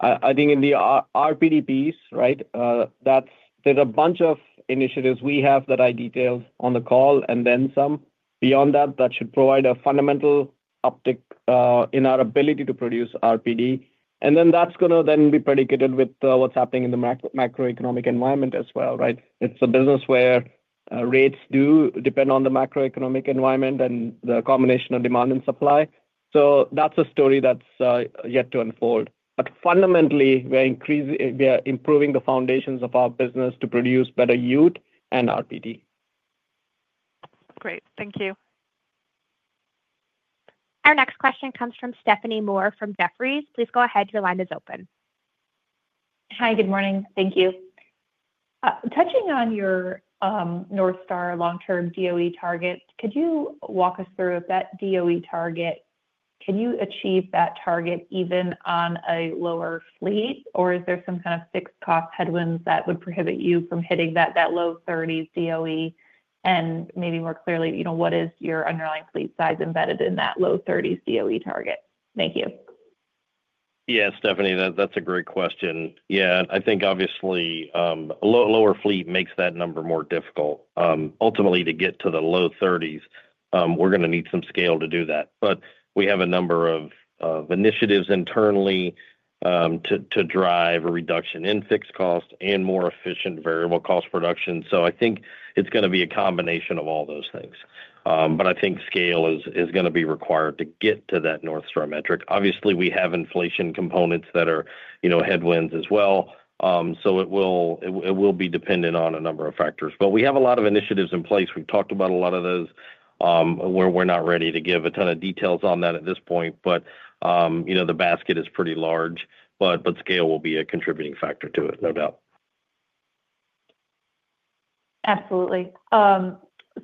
I think in the RPD piece, right, there's a bunch of initiatives we have that I detailed on the call and then some. Beyond that, that should provide a fundamental uptick in our ability to produce RPD. And then that's going to then be predicated with what's happening in the macroeconomic environment as well, right? It's a business where rates do depend on the macroeconomic environment and the combination of demand and supply. That's a story that's yet to unfold. Fundamentally, we are improving the foundations of our business to produce better yield and RPD. Great. Thank you. Our next question comes from Stephanie Moore from Jefferies. Please go ahead. Your line is open. Hi. Good morning. Thank you. Touching on your North Star long-term DOE target, could you walk us through that DOE target? Can you achieve that target even on a lower fleet, or is there some kind of fixed cost headwinds that would prohibit you from hitting that low 30s DOE? Maybe more clearly, what is your underlying fleet size embedded in that low 30s DOE target? Thank you. Yeah, Stephanie, that's a great question. I think obviously a lower fleet makes that number more difficult. Ultimately, to get to the low 30s, we're going to need some scale to do that. We have a number of initiatives internally to drive a reduction in fixed cost and more efficient variable cost production. I think it's going to be a combination of all those things. I think scale is going to be required to get to that North Star metric. Obviously, we have inflation components that are headwinds as well. It will be dependent on a number of factors. We have a lot of initiatives in place. We've talked about a lot of those where we're not ready to give a ton of details on that at this point. The basket is pretty large. Scale will be a contributing factor to it, no doubt. Absolutely.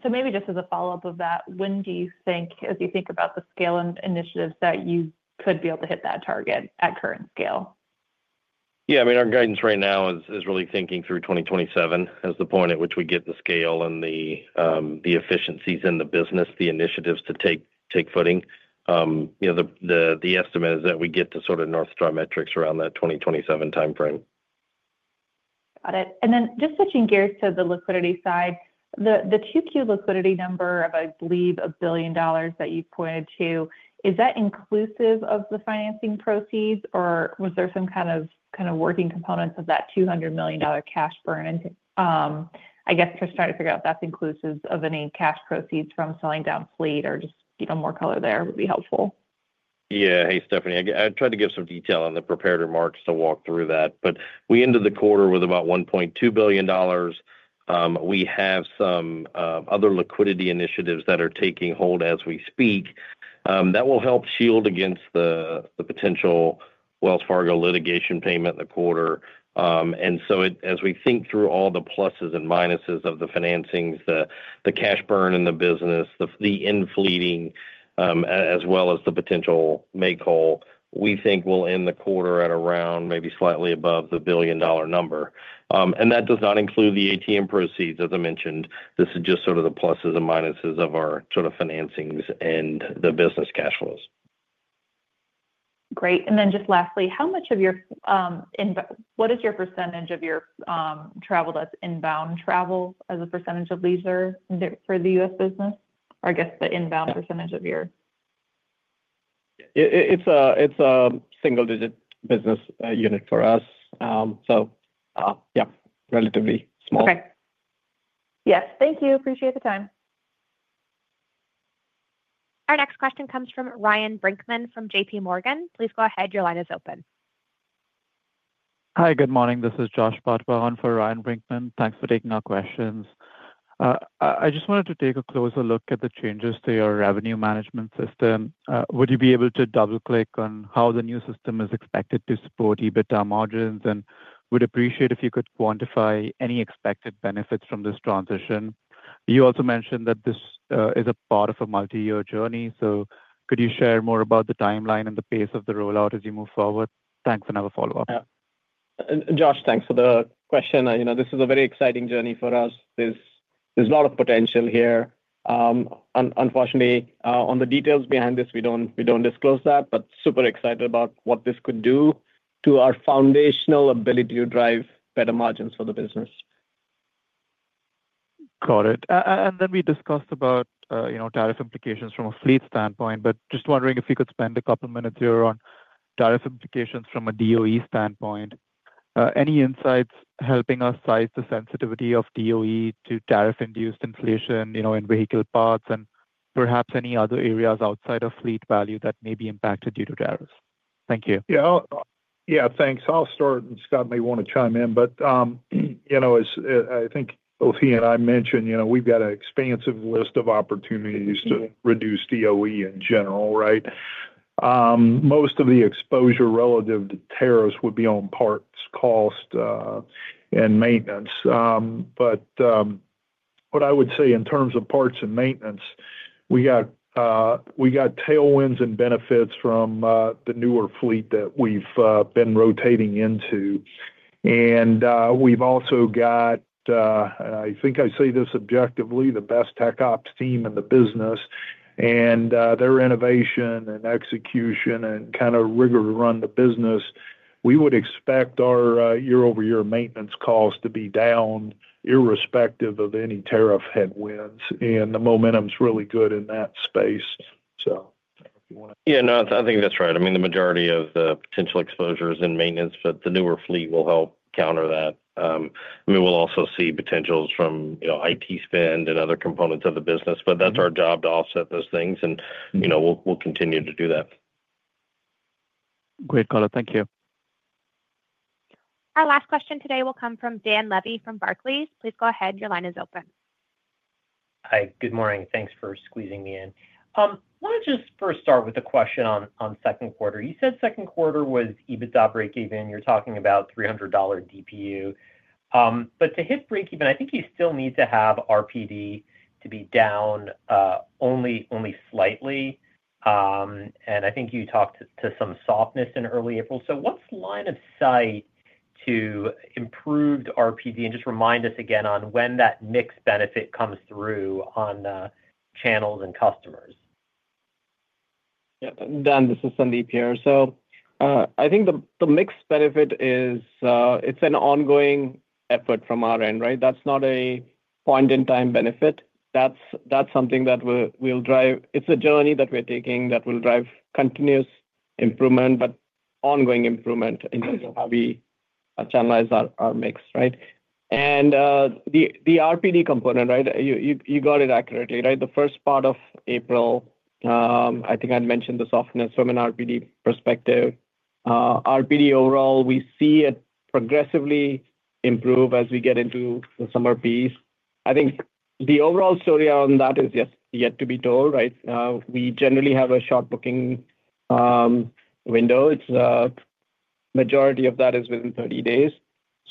Maybe just as a follow-up of that, when do you think, as you think about the scale initiatives, that you could be able to hit that target at current scale? Yeah. I mean, our guidance right now is really thinking through 2027 as the point at which we get the scale and the efficiencies in the business, the initiatives to take footing. The estimate is that we get to sort of North Star metrics around that 2027 timeframe. Got it. Then just switching gears to the liquidity side, the 2Q liquidity number of, I believe, $1 billion that you pointed to, is that inclusive of the financing proceeds, or was there some kind of working components of that $200 million cash burned? I guess just trying to figure out if that's inclusive of any cash proceeds from selling down fleet or just more color there would be helpful. Yeah. Hey, Stephanie, I tried to give some detail on the preparatory marks to walk through that. We ended the quarter with about $1.2 billion. We have some other liquidity initiatives that are taking hold as we speak. That will help shield against the potential Wells Fargo litigation payment in the quarter. As we think through all the pluses and minuses of the financings, the cash burn in the business, the infleeting, as well as the potential make-whole, we think we'll end the quarter at around maybe slightly above the $1 billion number. That does not include the ATM proceeds, as I mentioned. This is just the pluses and minuses of our financings and the business cash flows. Great. Lastly, how much of your, what is your percentage of your travel that's inbound travel as a percentage of leisure for the U.S. business? Or I guess the inbound percentage of your. It's a single-digit business unit for us. So, yeah, relatively small. Okay. Yes. Thank you. Appreciate the time. Our next question comes from Ryan Brinkman from JPMorgan. Please go ahead. Your line is open. Hi. Good morning. This is Josh Bothburn for Ryan Brinkman. Thanks for taking our questions. I just wanted to take a closer look at the changes to your revenue management system. Would you be able to double-click on how the new system is expected to support EBITDA margins? I would appreciate if you could quantify any expected benefits from this transition. You also mentioned that this is a part of a multi-year journey. Could you share more about the timeline and the pace of the rollout as you move forward? Thanks. I have a follow-up. Yeah. Josh, thanks for the question. This is a very exciting journey for us. There is a lot of potential here. Unfortunately, on the details behind this, we don't disclose that. Super excited about what this could do to our foundational ability to drive better margins for the business. Got it. We discussed about tariff implications from a fleet standpoint. I am just wondering if you could spend a couple of minutes here on tariff implications from a DOE standpoint. Any insights helping us size the sensitivity of DOE to tariff-induced inflation in vehicle parts and perhaps any other areas outside of fleet value that may be impacted due to tariffs? Thank you. Yeah. Thanks. I'll start, and Scott may want to chime in. I think both he and I mentioned we've got an expansive list of opportunities to reduce DOE in general, right? Most of the exposure relative to tariffs would be on parts, cost, and maintenance. What I would say in terms of parts and maintenance, we got tailwinds and benefits from the newer fleet that we've been rotating into. We've also got, and I think I say this objectively, the best tech ops team in the business. Their innovation and execution and kind of rigor to run the business, we would expect our year-over-year maintenance cost to be down irrespective of any tariff headwinds. The momentum is really good in that space. If you want to. Yeah. No, I think that is right. I mean, the majority of the potential exposure is in maintenance, but the newer fleet will help counter that. I mean, we will also see potentials from IT spend and other components of the business. That's our job to offset those things. We will continue to do that. Great. Got it. Thank you. Our last question today will come from Dan Levy from Barclays. Please go ahead. Your line is open. Hi. Good morning. Thanks for squeezing me in. I want to just first start with a question on second quarter. You said second quarter was EBITDA breakeven. You're talking about $300 DPU. To hit breakeven, I think you still need to have RPD to be down only slightly. I think you talked to some softness in early April. What is line of sight to improved RPD? Just remind us again on when that mixed benefit comes through on channels and customers. Dan, this is Sandeep here. I think the mixed benefit is it's an ongoing effort from our end, right? That's not a point-in-time benefit. That's something that we'll drive. It's a journey that we're taking that will drive continuous improvement, but ongoing improvement in terms of how we channelize our mix, right? The RPD component, right? You got it accurately, right? The first part of April, I think I'd mentioned the softness from an RPD perspective. RPD overall, we see it progressively improve as we get into the summer piece. I think the overall story on that is yet to be told, right? We generally have a short booking window. The majority of that is within 30 days.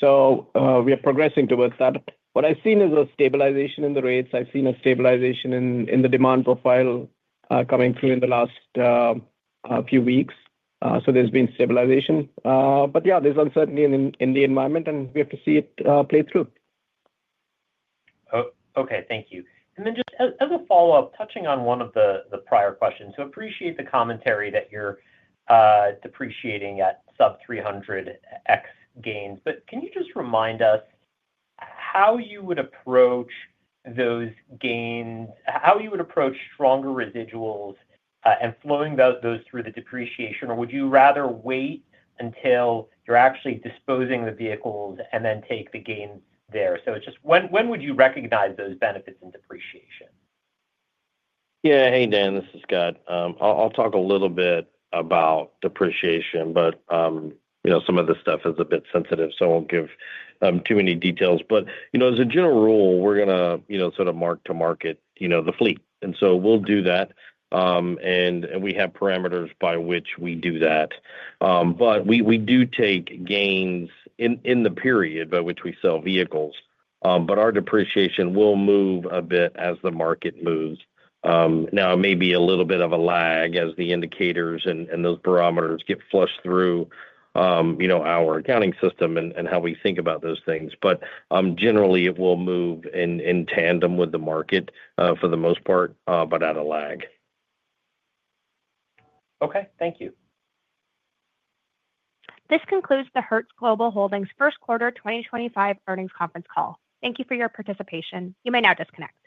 We are progressing towards that. What I've seen is a stabilization in the rates. I've seen a stabilization in the demand profile coming through in the last few weeks. There's been stabilization. Yeah, there's uncertainty in the environment, and we have to see it play through. Okay. Thank you. And then just as a follow-up, touching on one of the prior questions, appreciate the commentary that you're depreciating at sub-$300x gains. Can you just remind us how you would approach those gains, how you would approach stronger residuals and flowing those through the depreciation, or would you rather wait until you're actually disposing the vehicles and then take the gains there? When would you recognize those benefits in depreciation? Yeah. Hey, Dan. This is Scott. I'll talk a little bit about depreciation, but some of the stuff is a bit sensitive, so I won't give too many details. As a general rule, we're going to sort of mark to market the fleet. We do that, and we have parameters by which we do that. We do take gains in the period by which we sell vehicles, but our depreciation will move a bit as the market moves. Now, it may be a little bit of a lag as the indicators and those barometers get flushed through our accounting system and how we think about those things. But generally, it will move in tandem with the market for the most part, but at a lag. Okay. Thank you. This concludes the Hertz Global Holdings first quarter 2025 earnings conference call. Thank you for your participation. You may now disconnect.